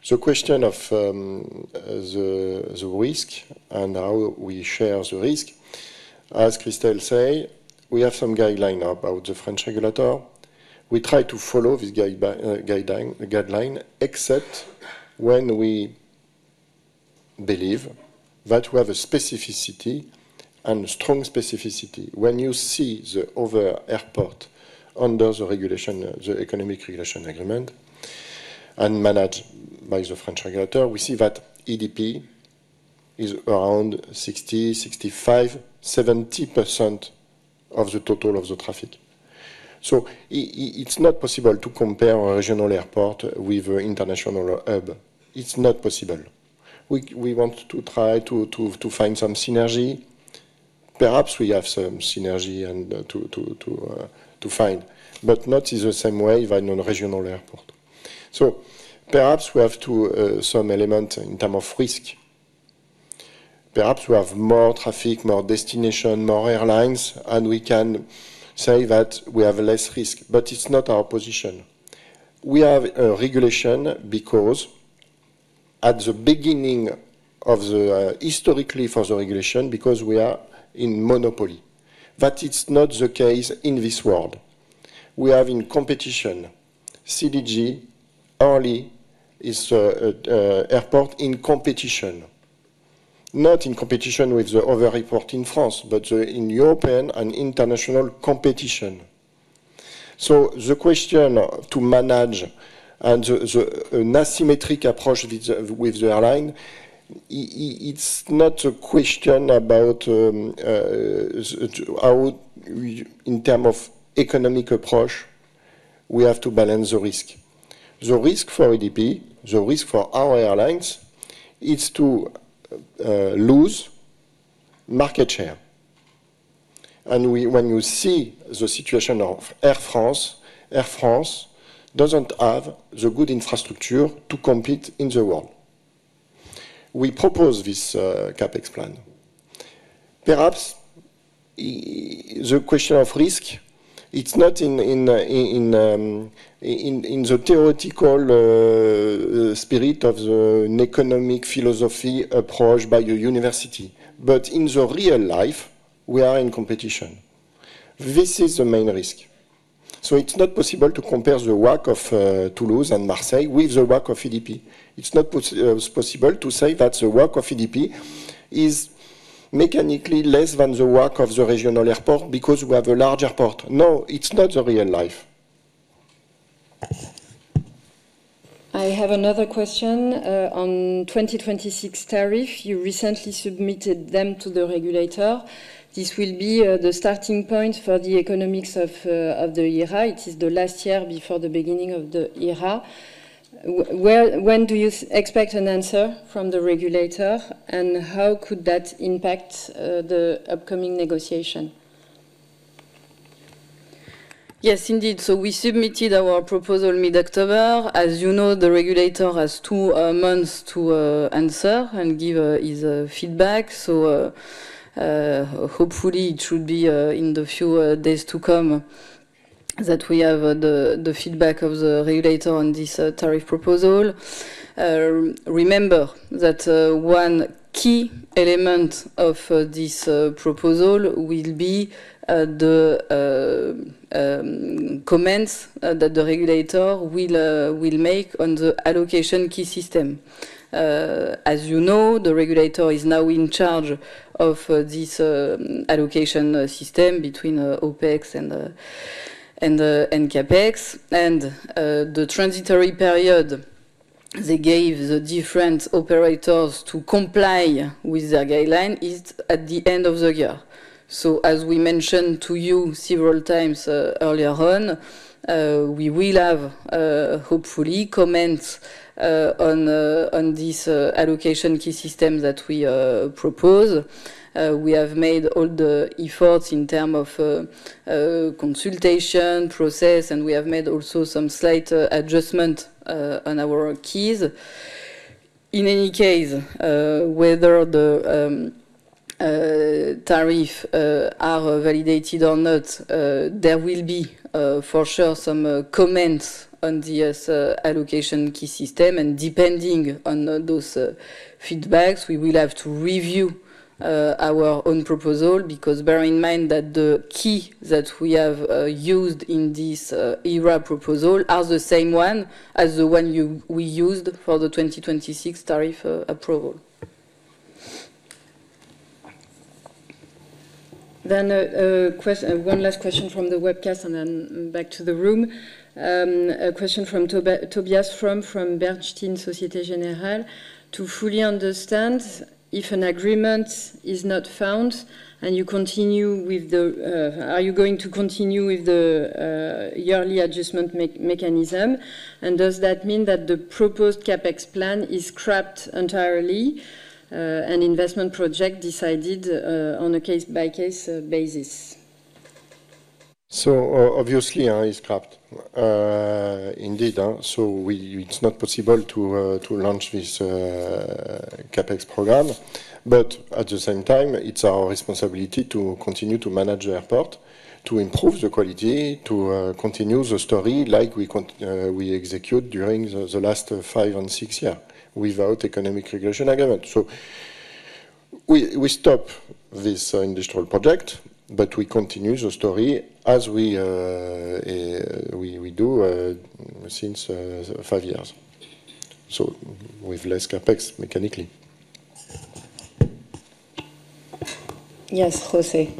The question of the risk and how we share the risk, as Christelle said, we have some guideline about the French regulator. We try to follow this guideline, except when we believe that we have a specificity and strong specificity. When you see the other airport under the Economic Regulation Agreement and managed by the French regulator, we see that ADP is around 60%, 65%, 70% of the total of the traffic. So it's not possible to compare a regional airport with an international hub. It's not possible. We want to try to find some synergy. Perhaps we have some synergy to find, but not in the same way by non-regional airport. So perhaps we have some element in terms of risk. Perhaps we have more traffic, more destination, more airlines, and we can say that we have less risk. But it's not our position. We have a regulation because at the beginning of the historically for the regulation, because we are in monopoly. But it's not the case in this world. We are in competition. CDG only is an airport in competition, not in competition with the other airport in France, but in European and international competition. So the question to manage and an asymmetric approach with the airline, it's not a question about in terms of economic approach, we have to balance the risk. The risk for ADP, the risk for our airlines, is to lose market share. And when you see the situation of Air France, Air France doesn't have the good infrastructure to compete in the world. We propose this CAPEX plan. Perhaps the question of risk, it's not in the theoretical spirit of an economic philosophy approach by a university. But in real life, we are in competition. This is the main risk. So it's not possible to compare the work of Toulouse and Marseille with the work of ADP. It's not possible to say that the work of ADP is mechanically less than the work of the regional airport because we have a larger port. No, it's not the real life. I have another question on 2026 tariff. You recently submitted them to the regulator. This will be the starting point for the economics of the ERA. It is the last year before the beginning of the ERA. When do you expect an answer from the regulator? And how could that impact the upcoming negotiation? Yes, indeed. So we submitted our proposal mid-October. As you know, the regulator has two months to answer and give his feedback. So hopefully, it should be in the few days to come that we have the feedback of the regulator on this tariff proposal. Remember that one key element of this proposal will be the comments that the regulator will make on the allocation key system. As you know, the regulator is now in charge of this allocation system between OPEX and CAPEX. The transitory period they gave the different operators to comply with their guideline is at the end of the year. As we mentioned to you several times earlier on, we will have, hopefully, comments on this allocation key system that we propose. We have made all the efforts in terms of consultation process, and we have made also some slight adjustment on our keys. In any case, whether the tariffs are validated or not, there will be for sure some comments on this allocation key system. Depending on those feedbacks, we will have to review our own proposal because bear in mind that the key that we have used in this ERA proposal is the same one as the one we used for the 2026 tariff approval. Then one last question from the webcast and then back to the room. A question from Tobias Fromme from Bernstein Société Générale. To fully understand if an agreement is not found and you continue with the are you going to continue with the yearly adjustment mechanism? And does that mean that the proposed CAPEX plan is scrapped entirely and investment project decided on a case-by-case basis? So obviously, it's scrapped. Indeed. So it's not possible to launch this CAPEX program. But at the same time, it's our responsibility to continue to manage the airport, to improve the quality, to continue the story like we executed during the last five and six years without Economic Regulation Agreement. So we stop this industrial project, but we continue the story as we do since five years. So with less CAPEX mechanically. Yes, José?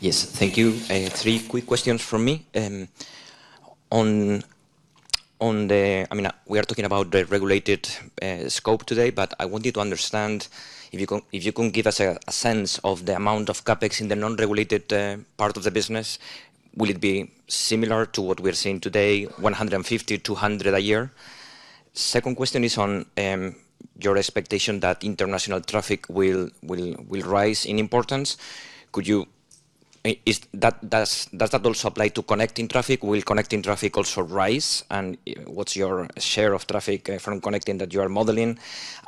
Yes, thank you. Three quick questions from me. I mean, we are talking about the regulated scope today, but I want you to understand if you can give us a sense of the amount of CAPEX in the non-regulated part of the business; will it be similar to what we are seeing today, 150-200 a year? Second question is on your expectation that international traffic will rise in importance. Does that also apply to connecting traffic? Will connecting traffic also rise? What's your share of traffic from connecting that you are modeling?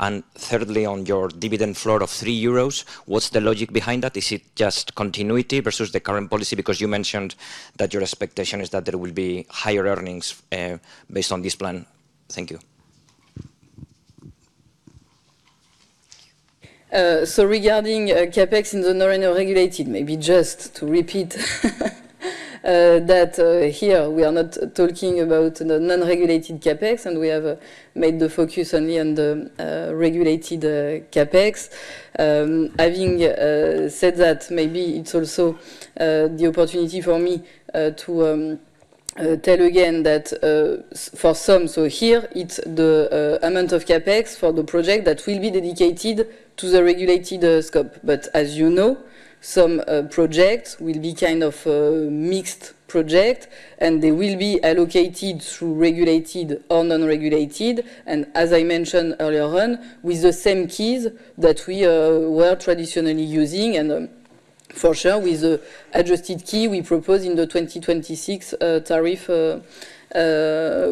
And thirdly, on your dividend floor of 3 euros, what's the logic behind that? Is it just continuity versus the current policy? Because you mentioned that your expectation is that there will be higher earnings based on this plan. Thank you. Regarding CAPEX in the non-regulated, maybe just to repeat that here, we are not talking about the non-regulated CAPEX, and we have made the focus only on the regulated CAPEX. Having said that, maybe it's also the opportunity for me to tell again that for some, so here, it's the amount of CAPEX for the project that will be dedicated to the regulated scope. But as you know, some projects will be kind of mixed projects, and they will be allocated through regulated or non-regulated. As I mentioned earlier on, with the same keys that we were traditionally using. And for sure, with the adjusted key, we propose in the 2026 tariff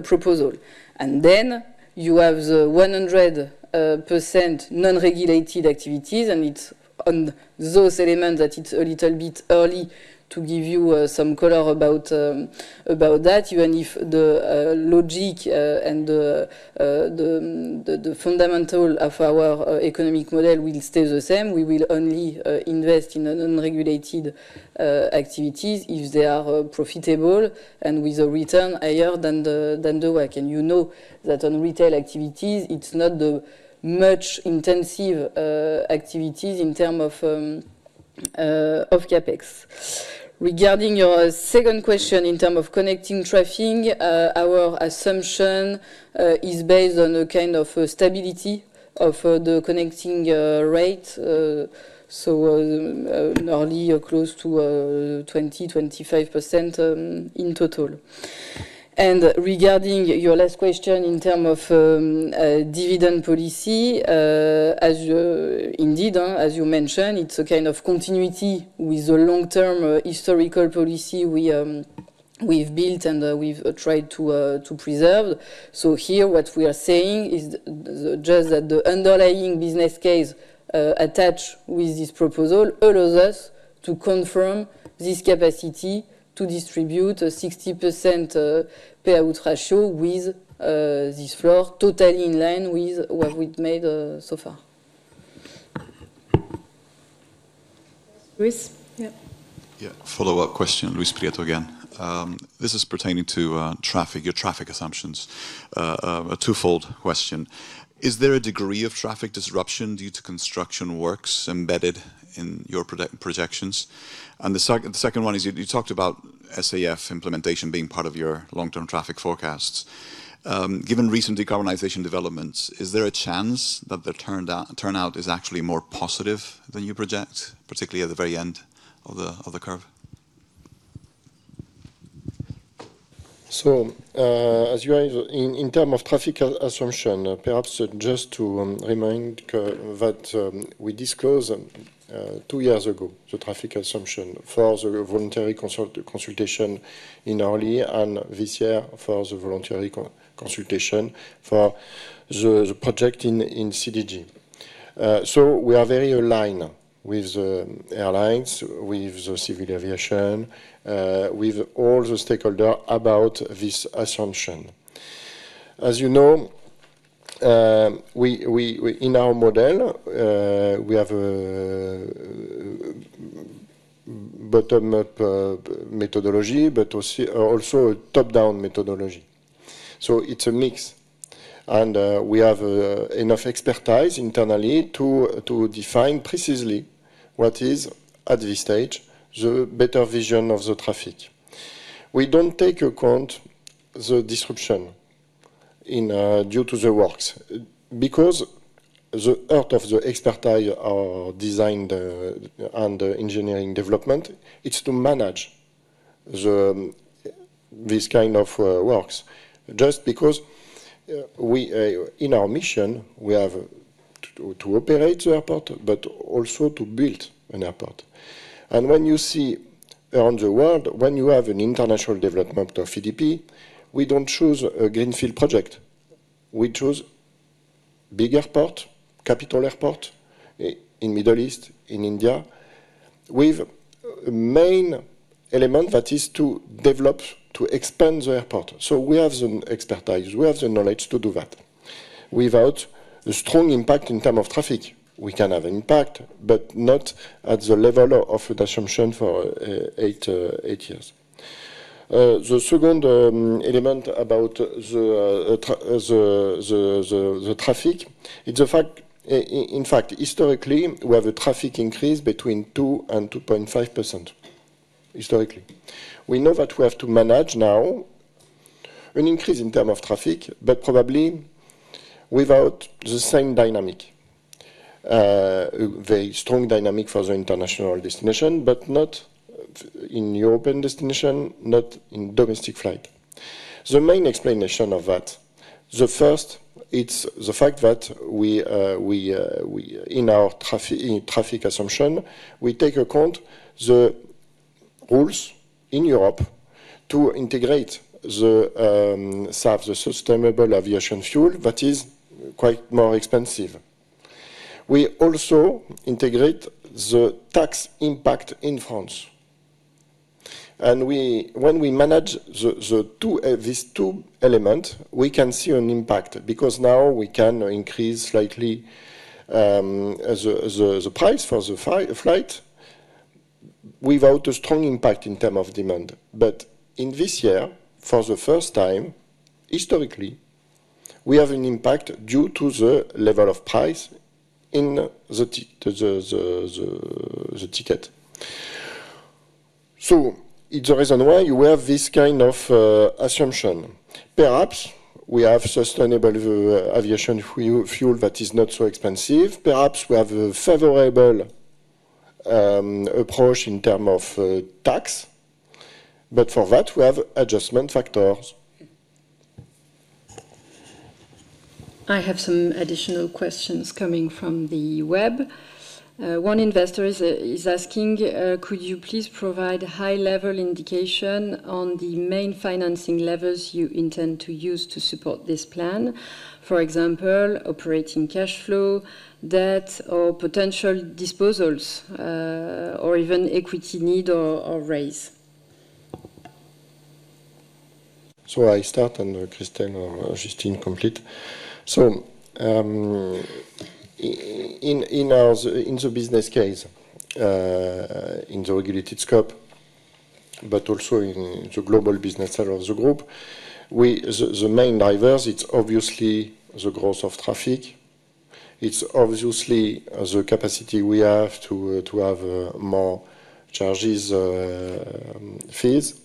proposal. And then you have the 100% non-regulated activities, and it's on those elements that it's a little bit early to give you some color about that. Even if the logic and the fundamental of our economic model will stay the same, we will only invest in non-regulated activities if they are profitable and with a return higher than the WACC. And you know that on retail activities, it's not that much intensive activities in terms of CAPEX. Regarding your second question in terms of connecting traffic, our assumption is based on a kind of stability of the connecting rate, so nearly close to 20%-25% in total. Regarding your last question in terms of dividend policy, indeed, as you mentioned, it's a kind of continuity with the long-term historical policy we've built and we've tried to preserve. So here, what we are saying is just that the underlying business case attached with this proposal allows us to confirm this capacity to distribute a 60% payout ratio with this floor, totally in line with what we've made so far. Yes, Luis? Yeah. Yeah. Follow-up question, Luis Prieto again. This is pertaining to traffic, your traffic assumptions, a twofold question. Is there a degree of traffic disruption due to construction works embedded in your projections? And the second one is you talked about SAF implementation being part of your long-term traffic forecasts. Given recent decarbonization developments, is there a chance that the turnout is actually more positive than you project, particularly at the very end of the curve? So in terms of traffic assumption, perhaps just to remind that we disclosed two years ago the traffic assumption for the voluntary consultation in early and this year for the voluntary consultation for the project in CDG. We are very aligned with airlines, with civil aviation, with all the stakeholders about this assumption. As you know, in our model, we have a bottom-up methodology, but also a top-down methodology. It's a mix. We have enough expertise internally to define precisely what is, at this stage, the better vision of the traffic. We don't take account the disruption due to the works because the heart of the expertise design and engineering development is to manage these kinds of works. Just because in our mission, we have to operate the airport, but also to build an airport. When you see around the world, when you have an international development of ADP, we don't choose a greenfield project. We choose a big airport, capital airport in the Middle East, in India, with a main element that is to develop, to expand the airport. So we have the expertise. We have the knowledge to do that. Without the strong impact in terms of traffic, we can have an impact, but not at the level of an assumption for eight years. The second element about the traffic, in fact, historically, we have a traffic increase between 2% and 2.5%, historically. We know that we have to manage now an increase in terms of traffic, but probably without the same dynamic, a very strong dynamic for the international destination, but not in European destination, not in domestic flight. The main explanation of that, the first, it's the fact that in our traffic assumption, we take account the rules in Europe to integrate the sustainable aviation fuel that is quite more expensive. We also integrate the tax impact in France. And when we manage these two elements, we can see an impact because now we can increase slightly the price for the flight without a strong impact in terms of demand. But in this year, for the first time, historically, we have an impact due to the level of price in the ticket. So it's the reason why we have this kind of assumption. Perhaps we have sustainable aviation fuel that is not so expensive. Perhaps we have a favorable approach in terms of tax. But for that, we have adjustment factors. I have some additional questions coming from the web. One investor is asking, could you please provide a high-level indication on the main financing levers you intend to use to support this plan? For example, operating cash flow, debt, or potential disposals, or even equity need or raise. So I start, and Christelle or Justine complete. So in the business case, in the regulated scope, but also in the global business of the group, the main drivers, it's obviously the growth of traffic. It's obviously the capacity we have to have more charges fees.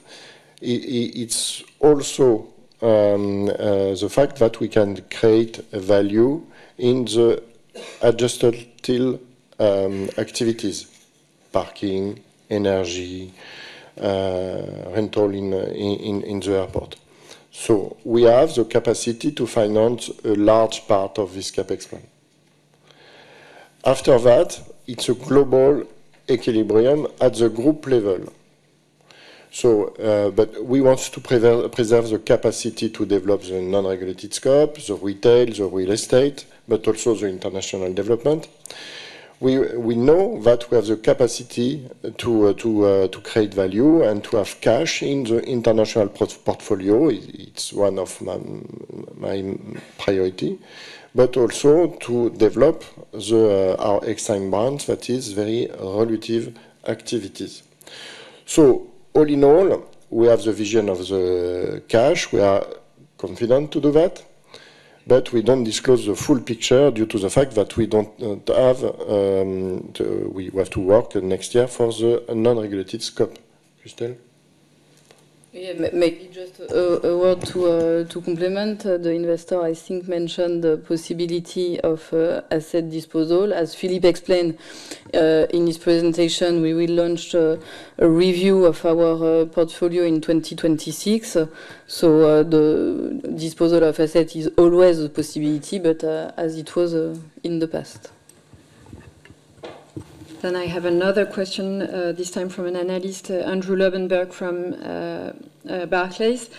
It's also the fact that we can create value in the adjusted activities, parking, energy, rental in the airport. So we have the capacity to finance a large part of this CAPEX plan. After that, it's a global equilibrium at the group level. But we want to preserve the capacity to develop the non-regulated scope, the retail, the real estate, but also the international development. We know that we have the capacity to create value and to have cash in the international portfolio. It's one of my priorities, but also to develop our extended branch that is very relative activities. So all in all, we have the vision of the cash. We are confident to do that. But we don't disclose the full picture due to the fact that we don't have to work next year for the non-regulated scope. Christelle? Yeah, maybe just a word to complement the investor. I think mentioned the possibility of asset disposal. As Philippe explained in his presentation, we will launch a review of our portfolio in 2026. So the disposal of assets is always a possibility, but as it was in the past. Then I have another question this time from an analyst, Andrew Lobbenberg from Barclays.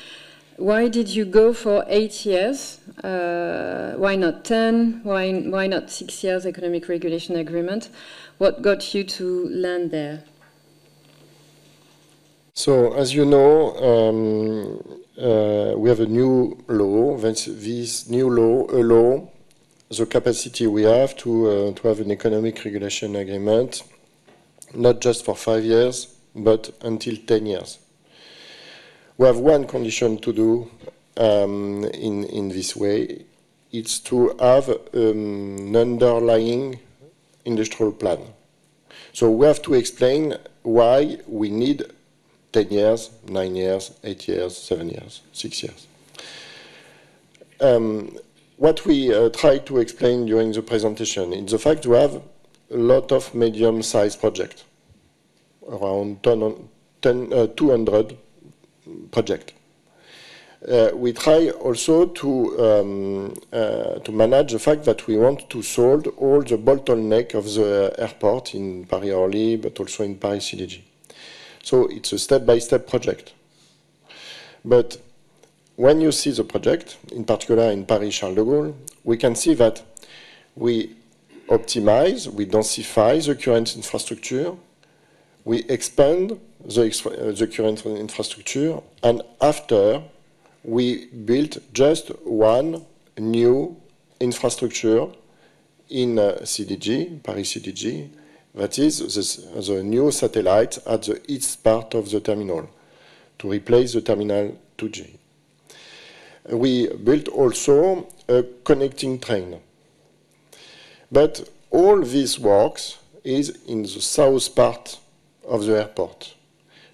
Why did you go for eight years? Why not 10? Why not six years Economic Regulation Agreement? What got you to land there? So as you know, we have a new law. This new law allows the capacity we have to have an Economic Regulation Agreement, not just for five years, but until 10 years. We have one condition to do in this way. It's to have an underlying industrial plan. So we have to explain why we need 10 years, nine years, eight years, seven years, six years. What we try to explain during the presentation is the fact we have a lot of medium-sized projects, around 200 projects. We try also to manage the fact that we want to solve all the bottlenecks of the airport in Paris-Orly, but also in Paris-CDG. So it's a step-by-step project. But when you see the project, in particular in Paris-Charles de Gaulle, we can see that we optimize, we densify the current infrastructure, we expand the current infrastructure, and after, we built just one new infrastructure in CDG, Paris-CDG, that is the new satellite at each part of the terminal to replace the Terminal 2G. We built also a connecting train. But all this work is in the south part of the airport.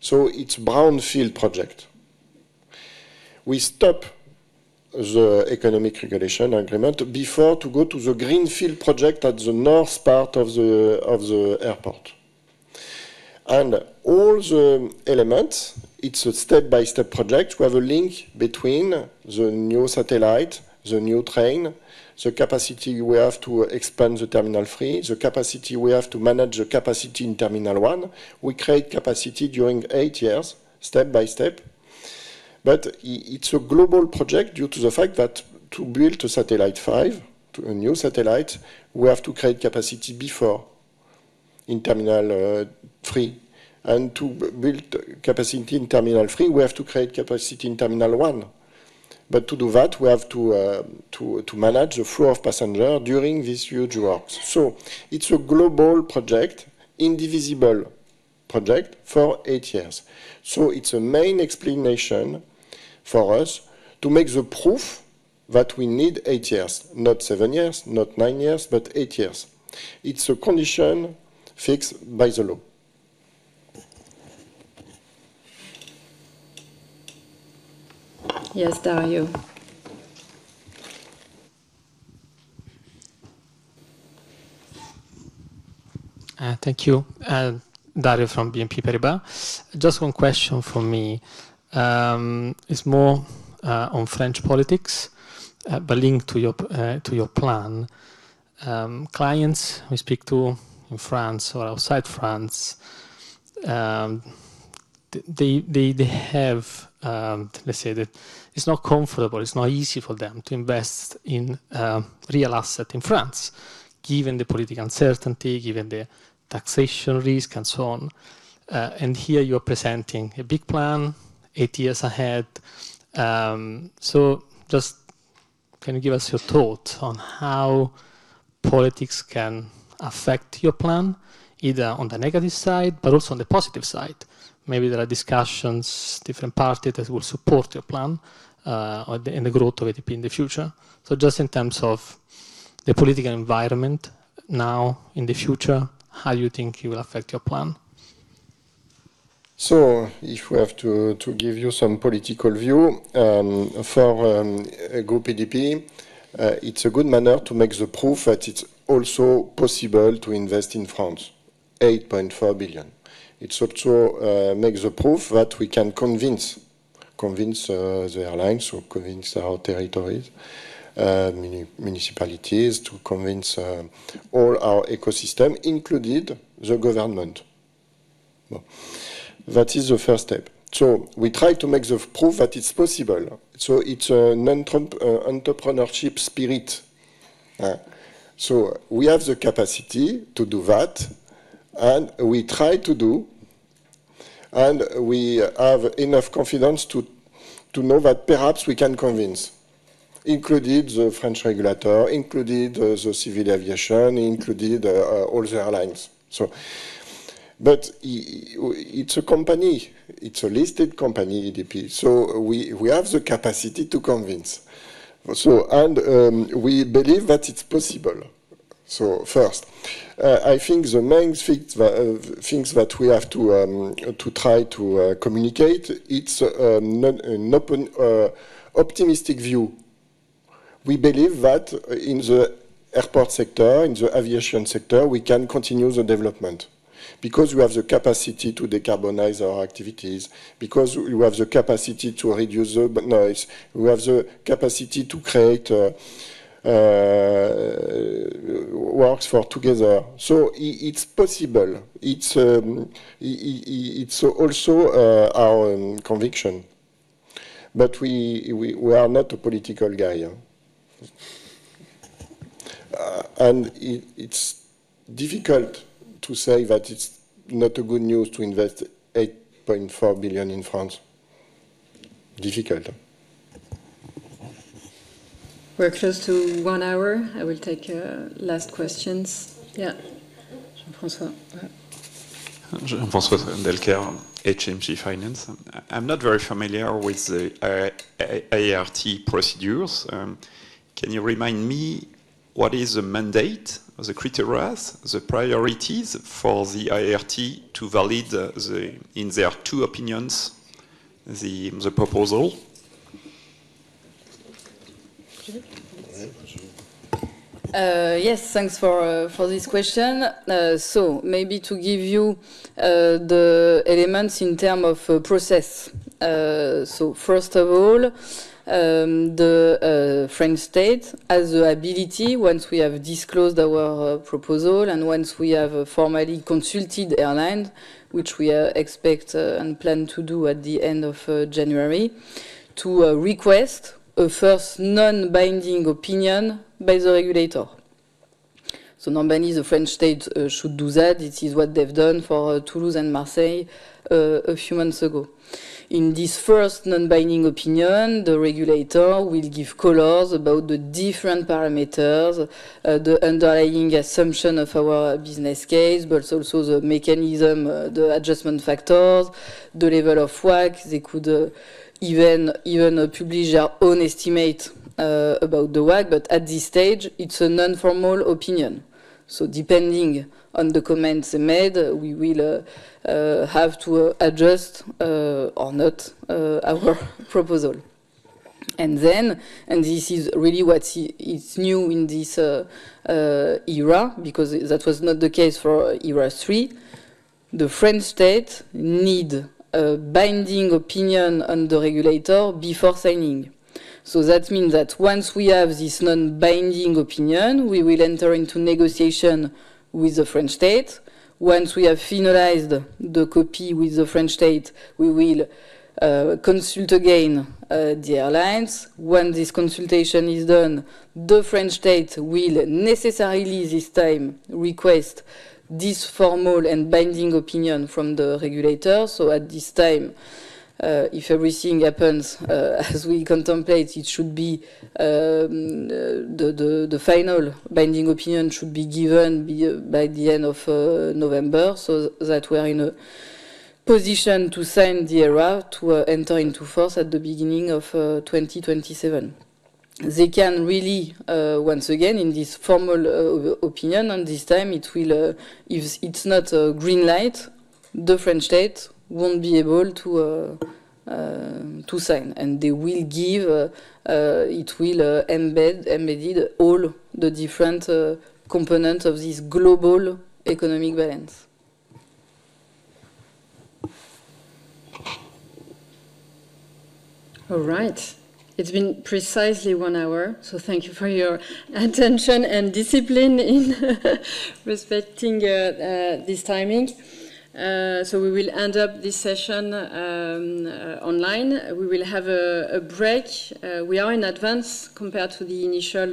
So it's a brownfield project. We stop the Economic Regulation Agreement before going to the greenfield project at the north part of the airport. And all the elements, it's a step-by-step project. We have a link between the new satellite, the new train, the capacity we have to expand the Terminal 3, the capacity we have to manage the capacity in Terminal 1. We create capacity during eight years, step by step. But it's a global project due to the fact that to build Satellite 5, a new satellite, we have to create capacity before in Terminal 3. And to build capacity in Terminal 3, we have to create capacity in Terminal 1. But to do that, we have to manage the flow of passengers during these huge works. So it's a global project, indivisible project for eight years. So it's a main explanation for us to make the proof that we need eight years, not seven years, not nine years, but eight years. It's a condition fixed by the law. Yes, Dario? Thank you. Dario from BNP Paribas. Just one question for me. It's more on French politics, but linked to your plan. Clients we speak to in France or outside France, they have, let's say, it's not comfortable. It's not easy for them to invest in real assets in France, given the political uncertainty, given the taxation risk, and so on. And here you are presenting a big plan, eight years ahead. So just can you give us your thoughts on how politics can affect your plan, either on the negative side but also on the positive side? Maybe there are discussions, different parties that will support your plan and the growth of ADP in the future. So just in terms of the political environment now in the future, how do you think it will affect your plan? So if we have to give you some political view for Groupe ADP, it's a good manner to make the proof that it's also possible to invest in France, 8.4 billion. It also makes the proof that we can convince the airlines or convince our territories, municipalities, to convince all our ecosystem, including the government. That is the first step. So we try to make the proof that it's possible. So it's an entrepreneurship spirit. So we have the capacity to do that, and we try to do, and we have enough confidence to know that perhaps we can convince, including the French regulator, including the civil aviation, including all the airlines. But it's a company. It's a listed company, ADP. So we have the capacity to convince. And we believe that it's possible. So first, I think the main things that we have to try to communicate, it's an open optimistic view. We believe that in the airport sector, in the aviation sector, we can continue the development because we have the capacity to decarbonize our activities, because we have the capacity to reduce the noise, we have the capacity to create works together. So it's possible. It's also our conviction. But we are not a political guy. And it's difficult to say that it's not good news to invest 8.4 billion in France. Difficult. We're close to one hour. I will take last questions. Yeah. Jean-François? Jean-François Delcaire, HMG Finance. I'm not very familiar with the ART procedures. Can you remind me what is the mandate, the criteria, the priorities for the ART to validate in their two opinions the proposal? Yes, thanks for this question. So maybe to give you the elements in terms of process. So first of all, the French State has the ability, once we have disclosed our proposal and once we have formally consulted airlines, which we expect and plan to do at the end of January, to request a first non-binding opinion by the regulator. So normally, the French State should do that. It is what they've done for Toulouse and Marseille a few months ago. In this first non-binding opinion, the regulator will give colors about the different parameters, the underlying assumption of our business case, but also the mechanism, the adjustment factors, the level of WACC. They could even publish their own estimate about the WACC. But at this stage, it's a non-formal opinion. So depending on the comments made, we will have to adjust or not our proposal. And then, and this is really what is new in this era because that was not the case for era three, the French State needs a binding opinion on the regulator before signing. So that means that once we have this non-binding opinion, we will enter into negotiation with the French State. Once we have finalized the copy with the French State, we will consult again the airlines. When this consultation is done, the French State will necessarily, this time, request this formal and binding opinion from the regulator. So at this time, if everything happens as we contemplate, it should be the final binding opinion should be given by the end of November so that we are in a position to sign the era to enter into force at the beginning of 2027. They can really, once again, in this formal opinion, and this time, it's not a green light, the French State won't be able to sign. And they will give, it will embed all the different components of this global economic balance. All right. It's been precisely one hour. So thank you for your attention and discipline in respecting this timing. So we will end up this session online. We will have a break. We are in advance compared to the initial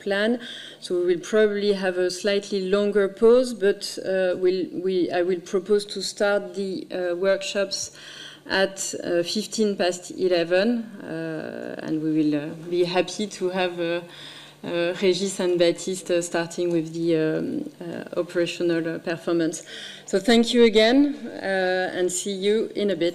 plan. So we will probably have a slightly longer pause. But I will propose to start the workshops at 11:15 A.M. And we will be happy to have Régis and Baptiste starting with the operational performance. So thank you again, and see you in a bit.